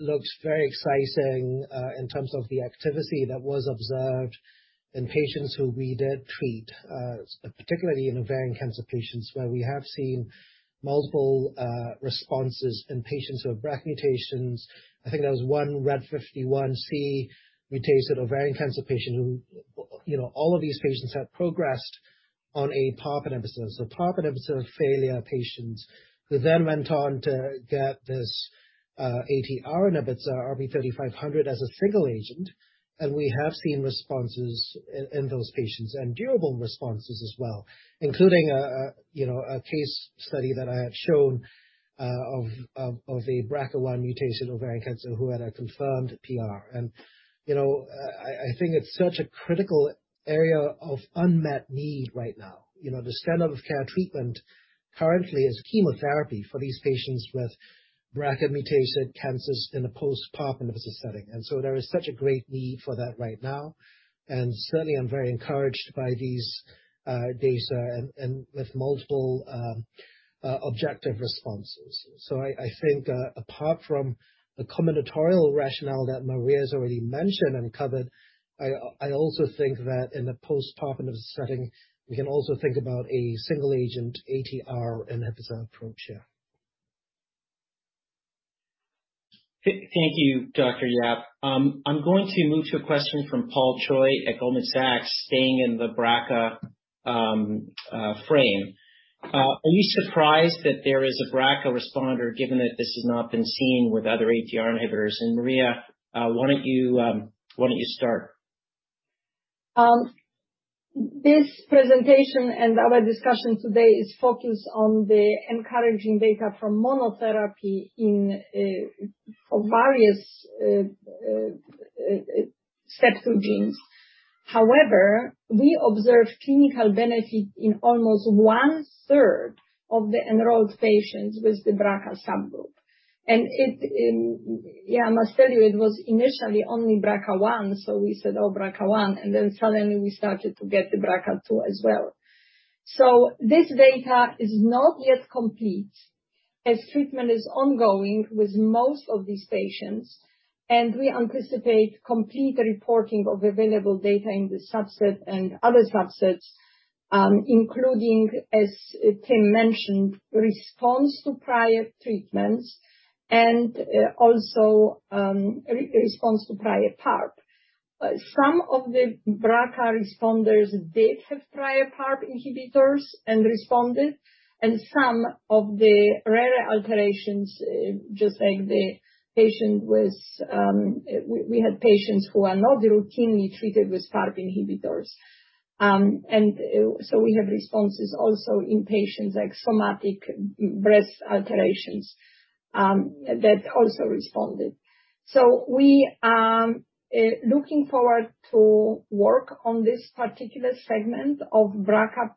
looks very exciting in terms of the activity that was observed in patients who we did treat, particularly in ovarian cancer patients, where we have seen multiple responses in patients who have BRCA mutations. I think there was one RAD51C mutated ovarian cancer patient. All of these patients had progressed on a PARP inhibitor. PARP inhibitor failure patients who then went on to get this ATR inhibitor, RP-3500, as a single agent. We have seen responses in those patients, and durable responses as well, including a case study that I have shown of a BRCA1 mutation ovarian cancer who had a confirmed PR. I think it's such a critical area of unmet need right now. The standard of care treatment currently is chemotherapy for these patients with BRCA mutated cancers in a post PARP inhibitor setting. There is such a great need for that right now. Certainly, I'm very encouraged by these data and with multiple objective responses. I think apart from the combinatorial rationale that Maria's already mentioned and covered, I also think that in a post PARP inhibitor setting, we can also think about a single agent ATR inhibitor approach, yeah. Thank you, Dr. Yap. I'm going to move to a question from Paul Choi at Goldman Sachs, staying in the BRCA frame. Are you surprised that there is a BRCA responder, given that this has not been seen with other ATR inhibitors? Maria, why don't you start? This presentation and our discussion today is focused on the encouraging data from monotherapy for various STEP2 genes. However, we observed clinical benefit in almost one-third of the enrolled patients with the BRCA subgroup. I must tell you, it was initially only BRCA1, so we said, "Oh, BRCA1," and then suddenly we started to get the BRCA2 as well. This data is not yet complete as treatment is ongoing with most of these patients, and we anticipate complete reporting of available data in this subset and other subsets, including, as Tim mentioned, response to prior treatments and also response to prior PARP. Some of the BRCA responders did have prior PARP inhibitors and responded, and some of the rare alterations, we had patients who are not routinely treated with PARP inhibitors. We have responses also in patients like somatic breast alterations that also responded. We are looking forward to work on this particular segment of BRCA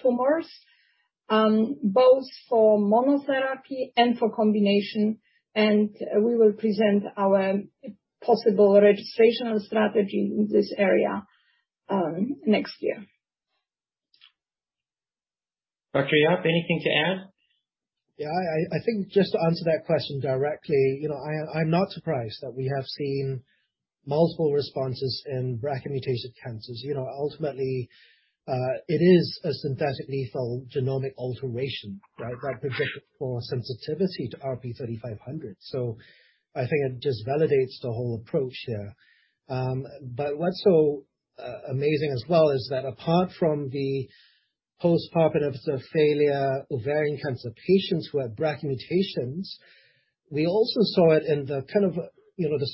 tumors, both for monotherapy and for combination, and we will present our possible registrational strategy in this area next year. Dr. Yap, anything to add? Yeah. I think just to answer that question directly, I'm not surprised that we have seen multiple responses in BRCA-mutated cancers. Ultimately, it is a synthetic lethal genomic alteration, right? That predicts for sensitivity to RP3500. I think it just validates the whole approach here. What's so amazing as well is that apart from the post-menopausal failure ovarian cancer patients who have BRCA mutations, we also saw it in the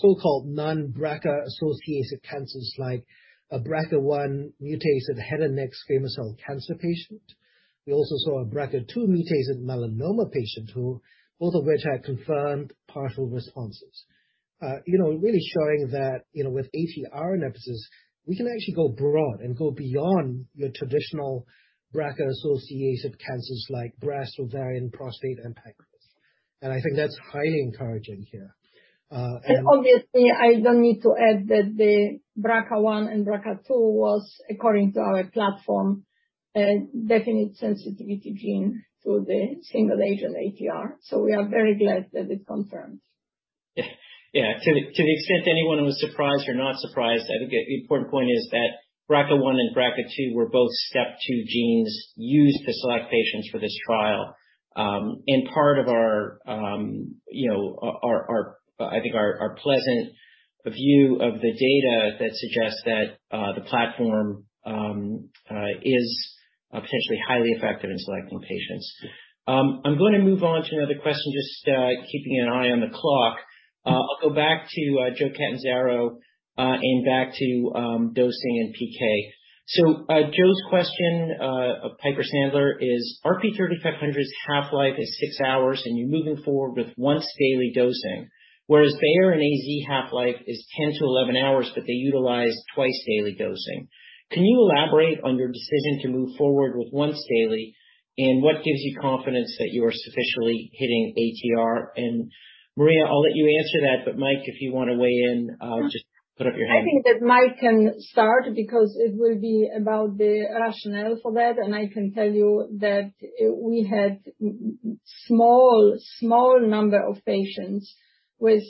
so-called non-BRCA associated cancers like a BRCA1 mutated head and neck squamous cell cancer patient. We also saw a BRCA2 mutated melanoma patient, both of which had confirmed partial responses. Really showing that with ATR inhibitors, we can actually go broad and go beyond your traditional BRCA associated cancers like breast, ovarian, prostate, and pancreas. I think that's highly encouraging here. Obviously, I don't need to add that the BRCA1 and BRCA2 was, according to our platform, a definite sensitivity gene to the single agent ATR. We are very glad that it confirmed. Yeah. To the extent anyone was surprised or not surprised, I think the important point is that BRCA1 and BRCA2 were both STEP2 genes used to select patients for this trial. Part of our pleasant view of the data that suggests that the platform is potentially highly effective in selecting patients. I'm going to move on to another question, just keeping an eye on the clock. I'll go back to Joseph Catanzaro and back to dosing and PK. Joe's question, Piper Sandler, is: "RP-3500's half-life is six hours and you're moving forward with once daily dosing, whereas Bayer and AstraZeneca half-life is 10 to 11 hours, but they utilize twice daily dosing. Can you elaborate on your decision to move forward with once daily, and what gives you confidence that you are sufficiently hitting ATR? Maria, I'll let you answer that, but Mike, if you want to weigh in, just put up your hand. I think that Mike can start because it will be about the rationale for that. I can tell you that we had small number of patients with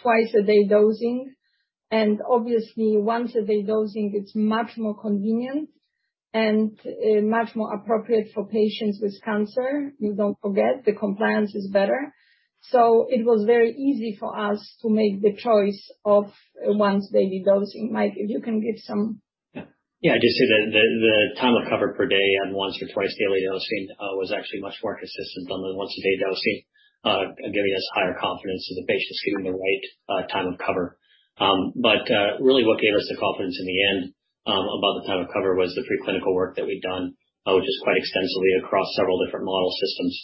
twice-a-day dosing. Obviously once-a-day dosing is much more convenient and much more appropriate for patients with cancer, you don't forget. The compliance is better. It was very easy for us to make the choice of once-daily dosing. Mike, if you can give some. Yeah. Just say the time of cover per day on once or twice daily dosing was actually much more consistent on the once-a-day dosing, giving us higher confidence that the patient's getting the right time of cover. Really what gave us the confidence in the end about the time of cover was the preclinical work that we'd done, which is quite extensively across several different model systems,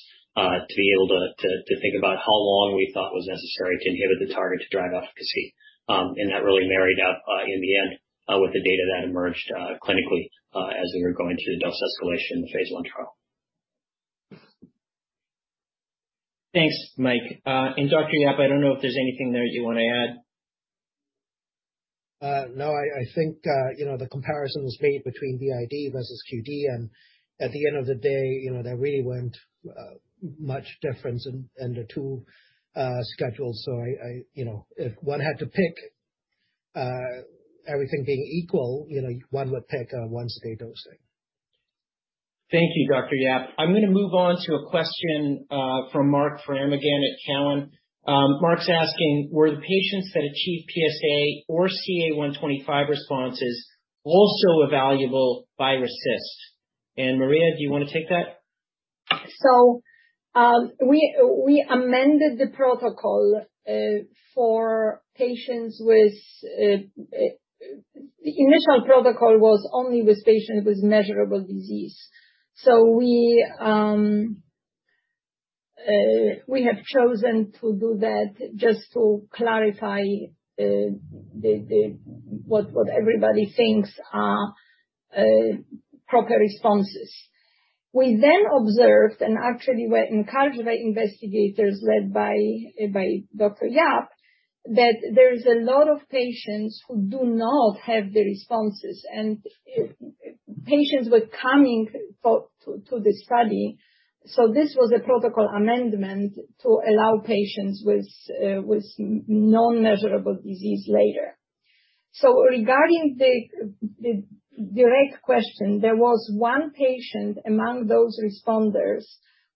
to be able to think about how long we thought was necessary to inhibit the target to drive efficacy. That really married up in the end with the data that emerged clinically as we were going through the dose escalation in the phase I trial. Thanks, Mike. Dr. Yap, I don't know if there's anything there you want to add. No. I think the comparisons made between BID versus QD, and at the end of the day, there really weren't much difference in the two schedules. If one had to pick, everything being equal, one would pick a once-a-day dosing. Thank you, Dr. Yap. I'm going to move on to a question from Marc Frahm at Cowen. Marc's asking, "Were the patients that achieved PSA or CA125 responses also evaluable by RECIST?" Maria, do you want to take that? We amended the protocol for patients with. The initial protocol was only with patients with measurable disease. We have chosen to do that just to clarify what everybody thinks are proper responses. We observed, and actually we encouraged the investigators led by Dr. Yap, that there is a lot of patients who do not have the responses and patients were coming to the study. This was a protocol amendment to allow patients with non-measurable disease later. Regarding the direct question, there was one patient among those responders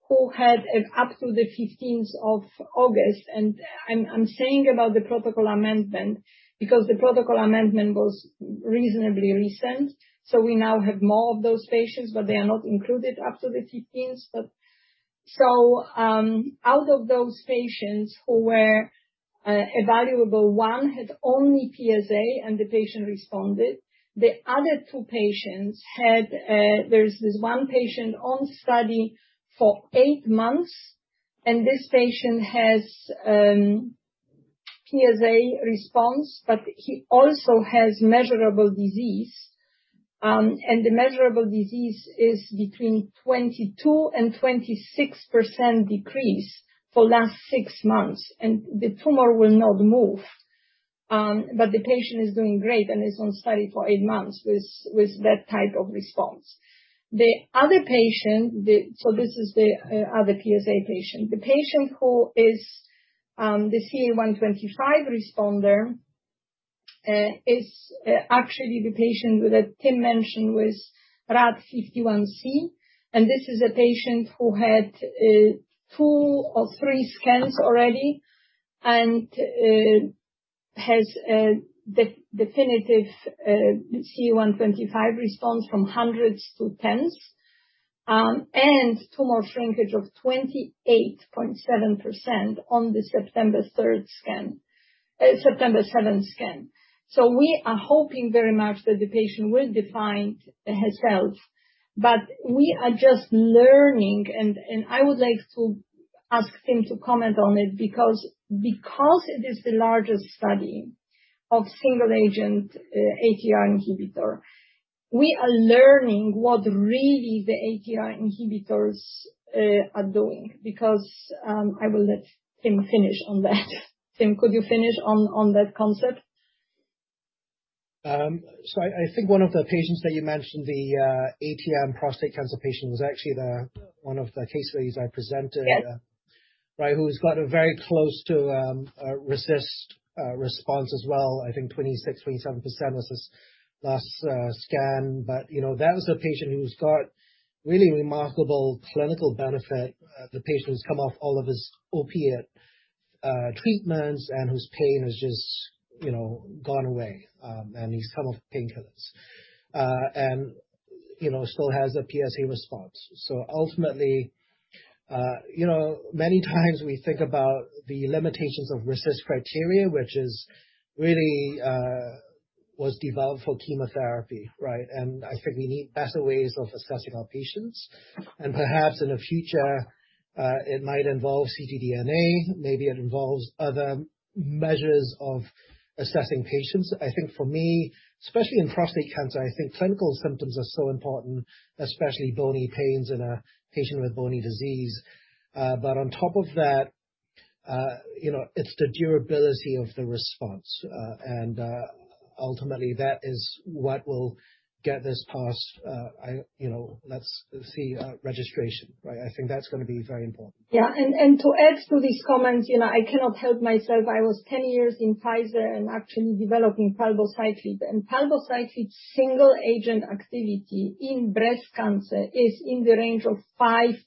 who had up to the 15th of August, and I'm saying about the protocol amendment because the protocol amendment was reasonably recent. We now have more of those patients, but they are not included up to the 15th. Out of those patients who were evaluable, one had only PSA and the patient responded. There's this one patient on study for eight months, and this patient has PSA response, but he also has measurable disease. The measurable disease is between 22%-26% decrease for last six months, and the tumor will not move. The patient is doing great and is on study for eight months with that type of response. The other patient, so this is the other PSA patient. The patient who is the CA125 responder is actually the patient that Timothy Yap mentioned with RAD51C, and this is a patient who had two or three scans already and has a definitive CA125 response from hundreds to tens, and tumor shrinkage of 28.7% on the September 7th scan. We are hoping very much that the patient will define herself, but we are just learning, and I would like to ask Timothy Yap to comment on it, because it is the largest study of single-agent ATR inhibitor. We are learning what really the ATR inhibitors are doing. I will let Timothy Yap finish on that. Timothy Yap, could you finish on that concept? I think one of the patients that you mentioned, the ATM prostate cancer patient, was actually one of the case studies I presented. Yes. Who's got a very close to a RECIST response as well. I think 26%, 27% was his last scan. That was a patient who's got really remarkable clinical benefit. The patient has come off all of his opiate treatments and whose pain has just gone away, and he's come off painkillers. Still has a PSA response. Ultimately, many times we think about the limitations of RECIST criteria, which really was developed for chemotherapy, right? I think we need better ways of assessing our patients. Perhaps in the future, it might involve ctDNA, maybe it involves other measures of assessing patients. I think for me, especially in prostate cancer, I think clinical symptoms are so important, especially bony pains in a patient with bony disease. On top of that, it's the durability of the response. Ultimately, that is what will get this past, let's see, registration. I think that's going to be very important. Yeah. To add to these comments, I cannot help myself. I was 10 years in Pfizer and actually developing palbociclib. Palbociclib single-agent activity in breast cancer is in the range of 5%-7%,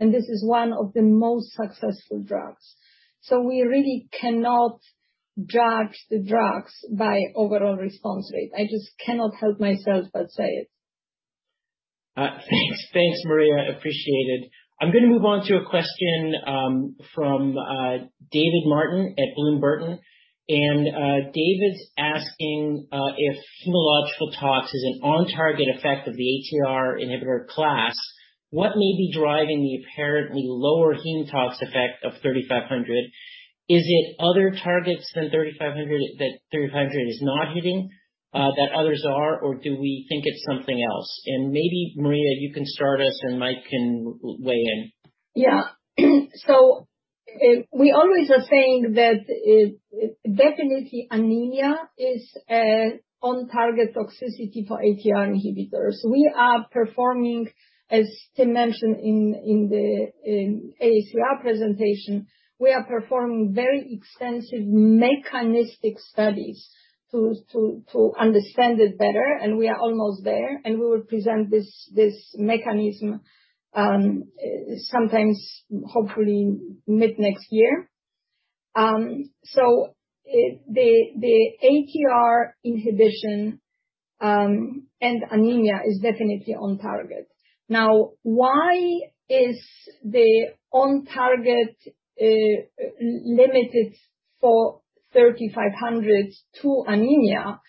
and this is one of the most successful drugs. We really cannot judge the drugs by overall response rate. I just cannot help myself but say it. Thanks, Maria. Appreciated. I'm going to move on to a question from David Martin at Bloom Burton. David's asking if hematological tox is an on-target effect of the ATR inhibitor class, what may be driving the apparently lower hemo tox effect of 3500? Is it other targets than 3500 that 3500 is not hitting that others are, or do we think it's something else? Maybe, Maria, you can start us and Mike can weigh in. Yeah. We always are saying that definitely anemia is on-target toxicity for ATR inhibitors. We are performing, as Tim mentioned in the AACR presentation, we are performing very extensive mechanistic studies to understand it better, and we are almost there, and we will present this mechanism sometimes hopefully mid next year. The ATR inhibition and anemia is definitely on target. Why is the on target limited for 3500 to anemia?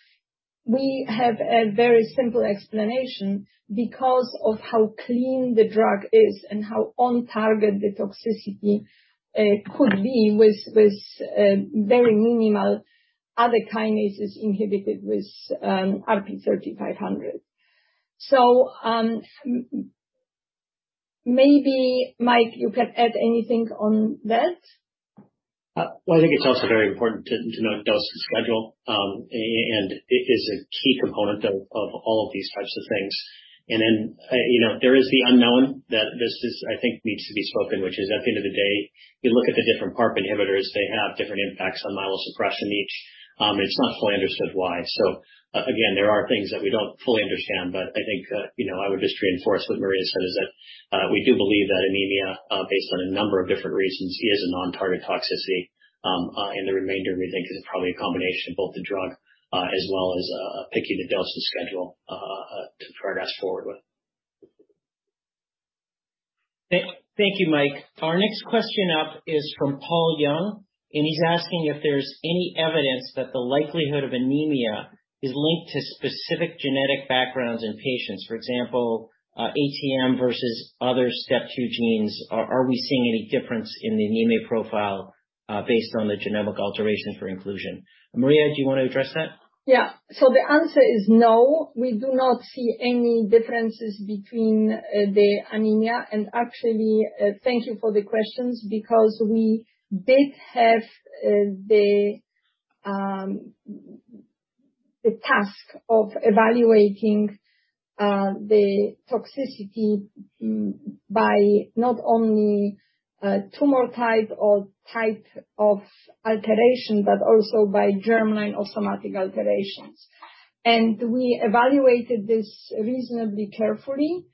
We have a very simple explanation because of how clean the drug is and how on target the toxicity could be with very minimal other kinases inhibited with RP-3500. Maybe, Mike, you can add anything on that. Well, I think it's also very important to note dose and schedule. It is a key component of all of these types of things. There is the unknown that this is, I think, needs to be spoken, which is, at the end of the day, you look at the different PARP inhibitors, they have different impacts on myelosuppression each. It's not fully understood why. Again, there are things that we don't fully understand, but I think I would just reinforce what Maria said is that we do believe that anemia, based on a number of different reasons, is a non-target toxicity. The remainder, we think, is probably a combination of both the drug as well as picking the dose and schedule to progress forward with. Thank you, Mike. Our next question up is from Paul Young. He's asking if there's any evidence that the likelihood of anemia is linked to specific genetic backgrounds in patients. For example, ATM versus other STEP2 genes. Are we seeing any difference in the anemia profile based on the genomic alterations for inclusion? Maria, do you want to address that? Yeah. The answer is no, we do not see any differences between the anemia. Actually, thank you for the questions because we did have the task of evaluating the toxicity by not only tumor type or type of alteration, but also by germline or somatic alterations. We evaluated this reasonably carefully.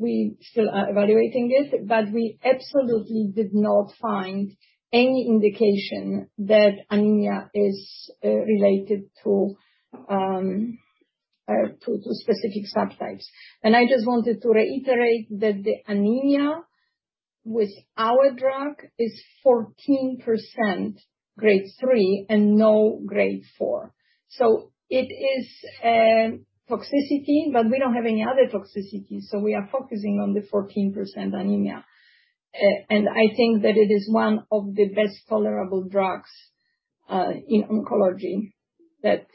We still are evaluating it, but we absolutely did not find any indication that anemia is related to specific subtypes. I just wanted to reiterate that the anemia with our drug is 14% grade 3 and no grade 4. It is a toxicity, but we don't have any other toxicity, so we are focusing on the 14% anemia. I think that it is one of the best tolerable drugs in oncology that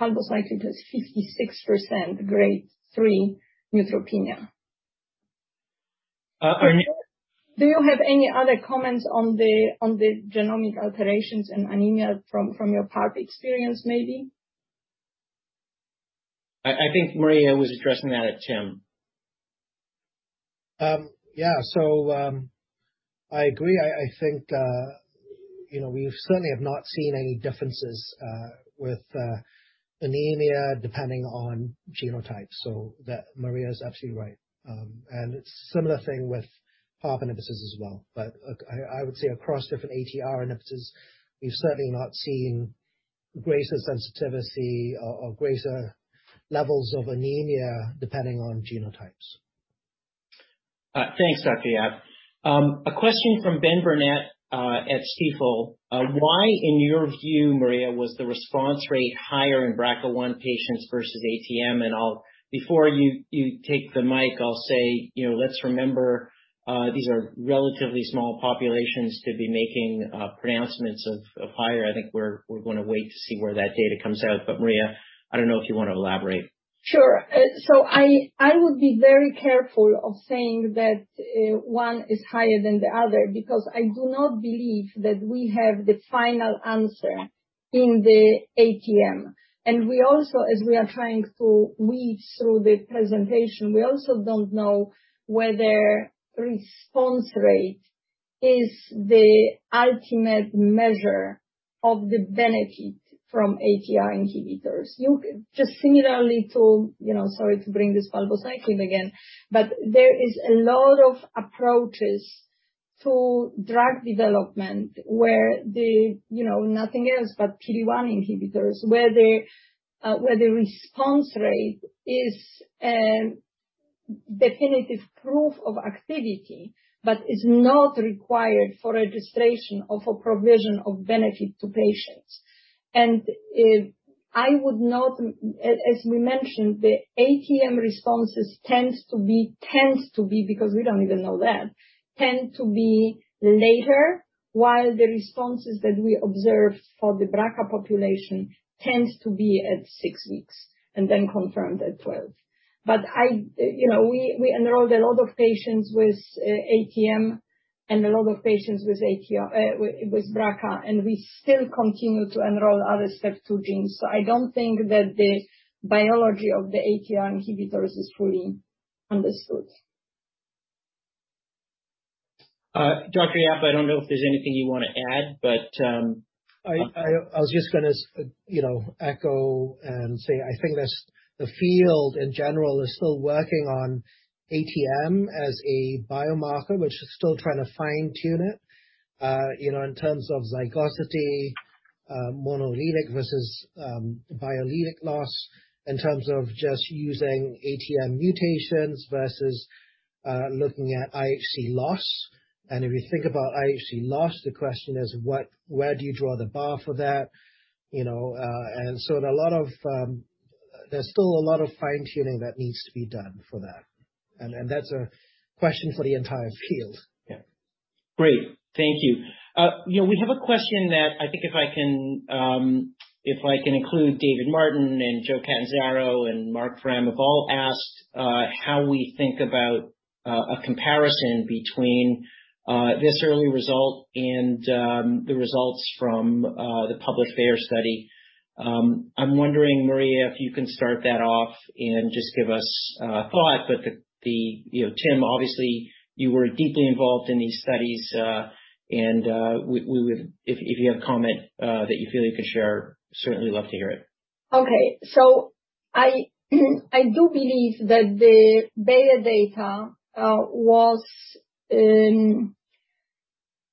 talazoparib has 56% grade 3 neutropenia. Do you have any other comments on the genomic alterations and anemia from your PARP experience, maybe? I think Maria was addressing that at Tim. Yeah. I agree. I think we certainly have not seen any differences with anemia depending on genotype, so Maria is absolutely right. It's a similar thing with PARP inhibitors as well. I would say across different ATR inhibitors, we've certainly not seen greater sensitivity or greater levels of anemia depending on genotypes. Thanks, Timothy Yap. A question from Benjamin Burnett at Stifel. Why, in your view, Maria, was the response rate higher in BRCA1 patients versus ATM? Before you take the mic, I'll say, let's remember these are relatively small populations to be making pronouncements of higher. I think we're going to wait to see where that data comes out. Maria, I don't know if you want to elaborate. Sure. I would be very careful of saying that one is higher than the other because I do not believe that we have the final answer in the ATM. We also, as we are trying to weave through the presentation, we also don't know whether response rate is the ultimate measure of the benefit from ATR inhibitors. Just similarly to, sorry to bring this talazoparib again, but there is a lot of approaches to drug development where the nothing else but PD1 inhibitors, where the response rate is a definitive proof of activity but is not required for registration of a provision of benefit to patients. I would note, as we mentioned, the ATM responses tends to be, because we don't even know that, tend to be later, while the responses that we observed for the BRCA population tends to be at six weeks and then confirmed at 12. We enrolled a lot of patients with ATM and a lot of patients with BRCA, and we still continue to enroll other STEP2 genes, so I don't think that the biology of the ATR inhibitors is fully understood. Timothy Yap, I don't know if there's anything you want to add. I was just going to echo and say, I think the field, in general, is still working on ATM as a biomarker, which is still trying to fine-tune it, in terms of zygosity, monoallelic versus biallelic loss, in terms of just using ATM mutations versus looking at IHC loss. If you think about IHC loss, the question is where do you draw the bar for that? There's still a lot of fine-tuning that needs to be done for that. That's a question for the entire field. Yeah. Great. Thank you. We have a question that I think if I can include David Martin and Joseph Catanzaro and Marc Frahm have all asked how we think about a comparison between this early result and the results from the public FLAIR study. I'm wondering, Maria, if you can start that off and just give us a thought. Tim, obviously, you were deeply involved in these studies, and if you have a comment that you feel you can share, certainly love to hear it. Okay. I do believe that the beta data was in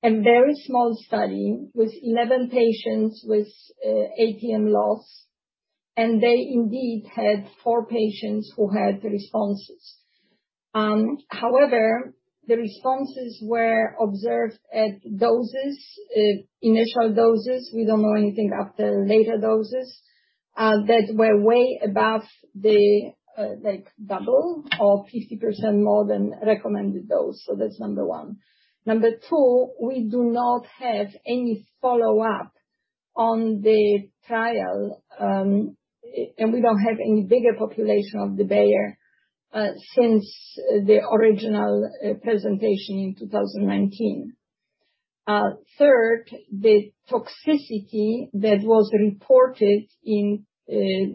a very small study with 11 patients with ATM loss, and they indeed had four patients who had responses. However, the responses were observed at initial doses, we don't know anything after later doses, that were way above the double or 50% more than recommended dose. That's number one. Number two, we do not have any follow-up on the trial, and we don't have any bigger population of the Bayer since the original presentation in 2019. Third, the toxicity that was reported in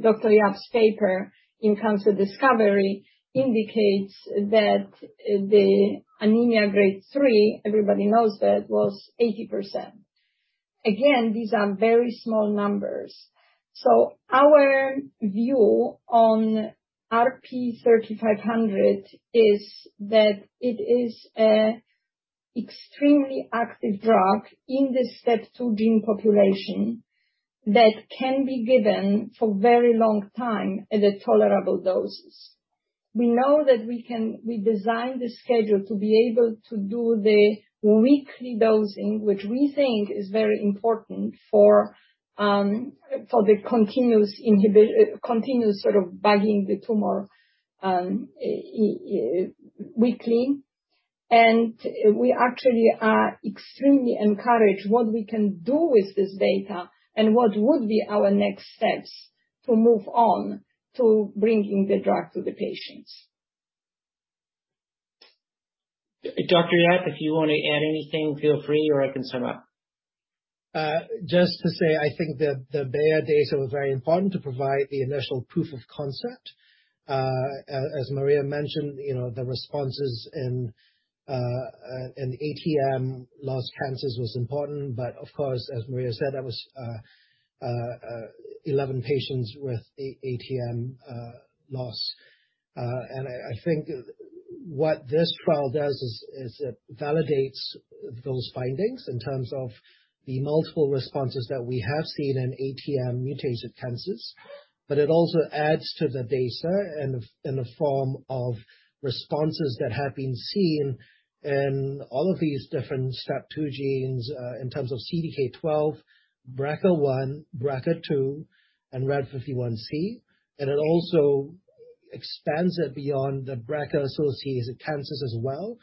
Dr. Yap's paper in Cancer Discovery indicates that the anemia grade 3, everybody knows that, was 80%. Again, these are very small numbers. Our view on RP-3500 is that it is an extremely active drug in the STEP2 gene population that can be given for very long time at a tolerable dosage. We know that we designed the schedule to be able to do the weekly dosing, which we think is very important for the continuous sort of bugging the tumor weekly. We actually are extremely encouraged what we can do with this data and what would be our next steps to move on to bringing the drug to the patients. Dr. Yap, if you want to add anything, feel free, or I can sum up. Just to say, I think the Bayer data was very important to provide the initial proof of concept. As Maria mentioned, the responses in ATM loss cancers was important. Of course, as Maria said, that was 11 patients with ATM loss. I think what this trial does is it validates those findings in terms of the multiple responses that we have seen in ATM-mutated cancers. It also adds to the data in the form of responses that have been seen in all of these different STEP2 genes, in terms of CDK12, BRCA1, BRCA2, and RAD51C. It also expands it beyond the BRCA-associated cancers as well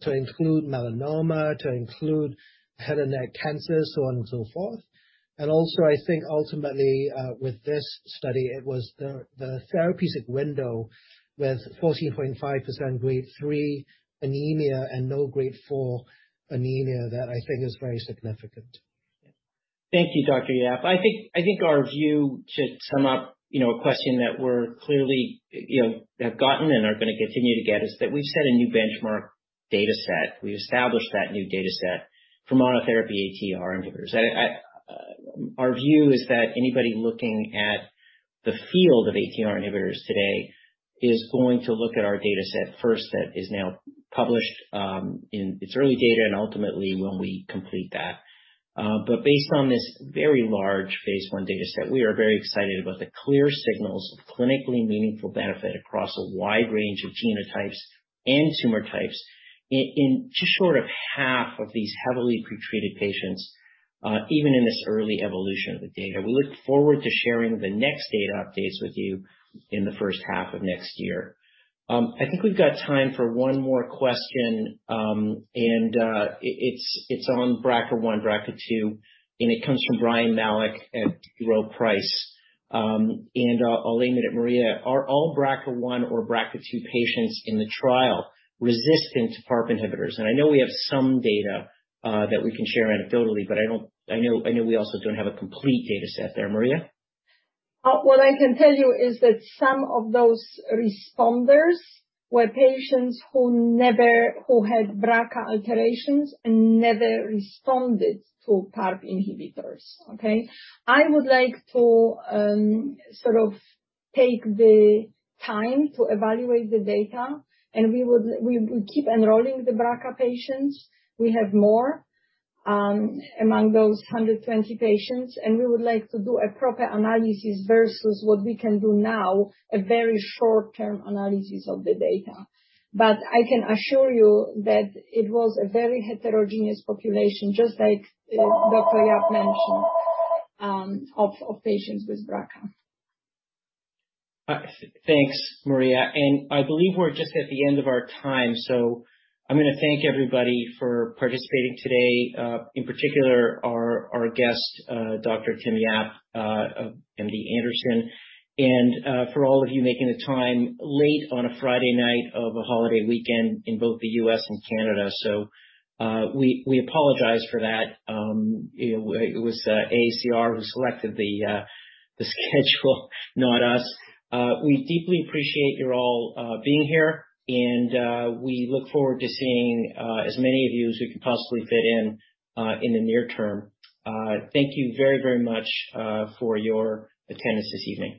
to include melanoma, to include head and neck cancers, so on and so forth. Also, I think ultimately with this study, it was the therapeutic window with 14.5% grade 3 anemia and no grade 4 anemia that I think is very significant. Thank you, Dr. Yap. I think our view, to sum up a question that we clearly have gotten and are going to continue to get, is that we've set a new benchmark data set. We established that new data set for monotherapy ATR inhibitors. Our view is that anybody looking at the field of ATR inhibitors today is going to look at our data set first, that is now published in its early data and ultimately when we complete that. Based on this very large phase I data set, we are very excited about the clear signals of clinically meaningful benefit across a wide range of genotypes and tumor types in just short of half of these heavily pretreated patients, even in this early evolution of the data. We look forward to sharing the next data updates with you in the first half of next year. I think we've got time for one more question. It's on BRCA1, BRCA2, and it comes from Brian Malik at Rowe Price. I'll aim it at Maria. Are all BRCA1 or BRCA2 patients in the trial resistant to PARP inhibitors? I know we have some data that we can share anecdotally, but I know we also don't have a complete data set there. Maria? What I can tell you is that some of those responders were patients who had BRCA alterations and never responded to PARP inhibitors. Okay? I would like to sort of take the time to evaluate the data, and we will keep enrolling the BRCA patients. We have more among those 120 patients, and we would like to do a proper analysis versus what we can do now, a very short-term analysis of the data. I can assure you that it was a very heterogeneous population, just like Dr. Yap mentioned, of patients with BRCA. Thanks, Maria. I believe we're just at the end of our time, so I'm going to thank everybody for participating today, in particular our guest, Dr. Timothy Yap of MD Anderson, and for all of you making the time late on a Friday night of a holiday weekend in both the U.S. and Canada. We apologize for that. It was AACR who selected the schedule, not us. We deeply appreciate your all being here, and we look forward to seeing as many of you as we can possibly fit in in the near term. Thank you very, very much for your attendance this evening.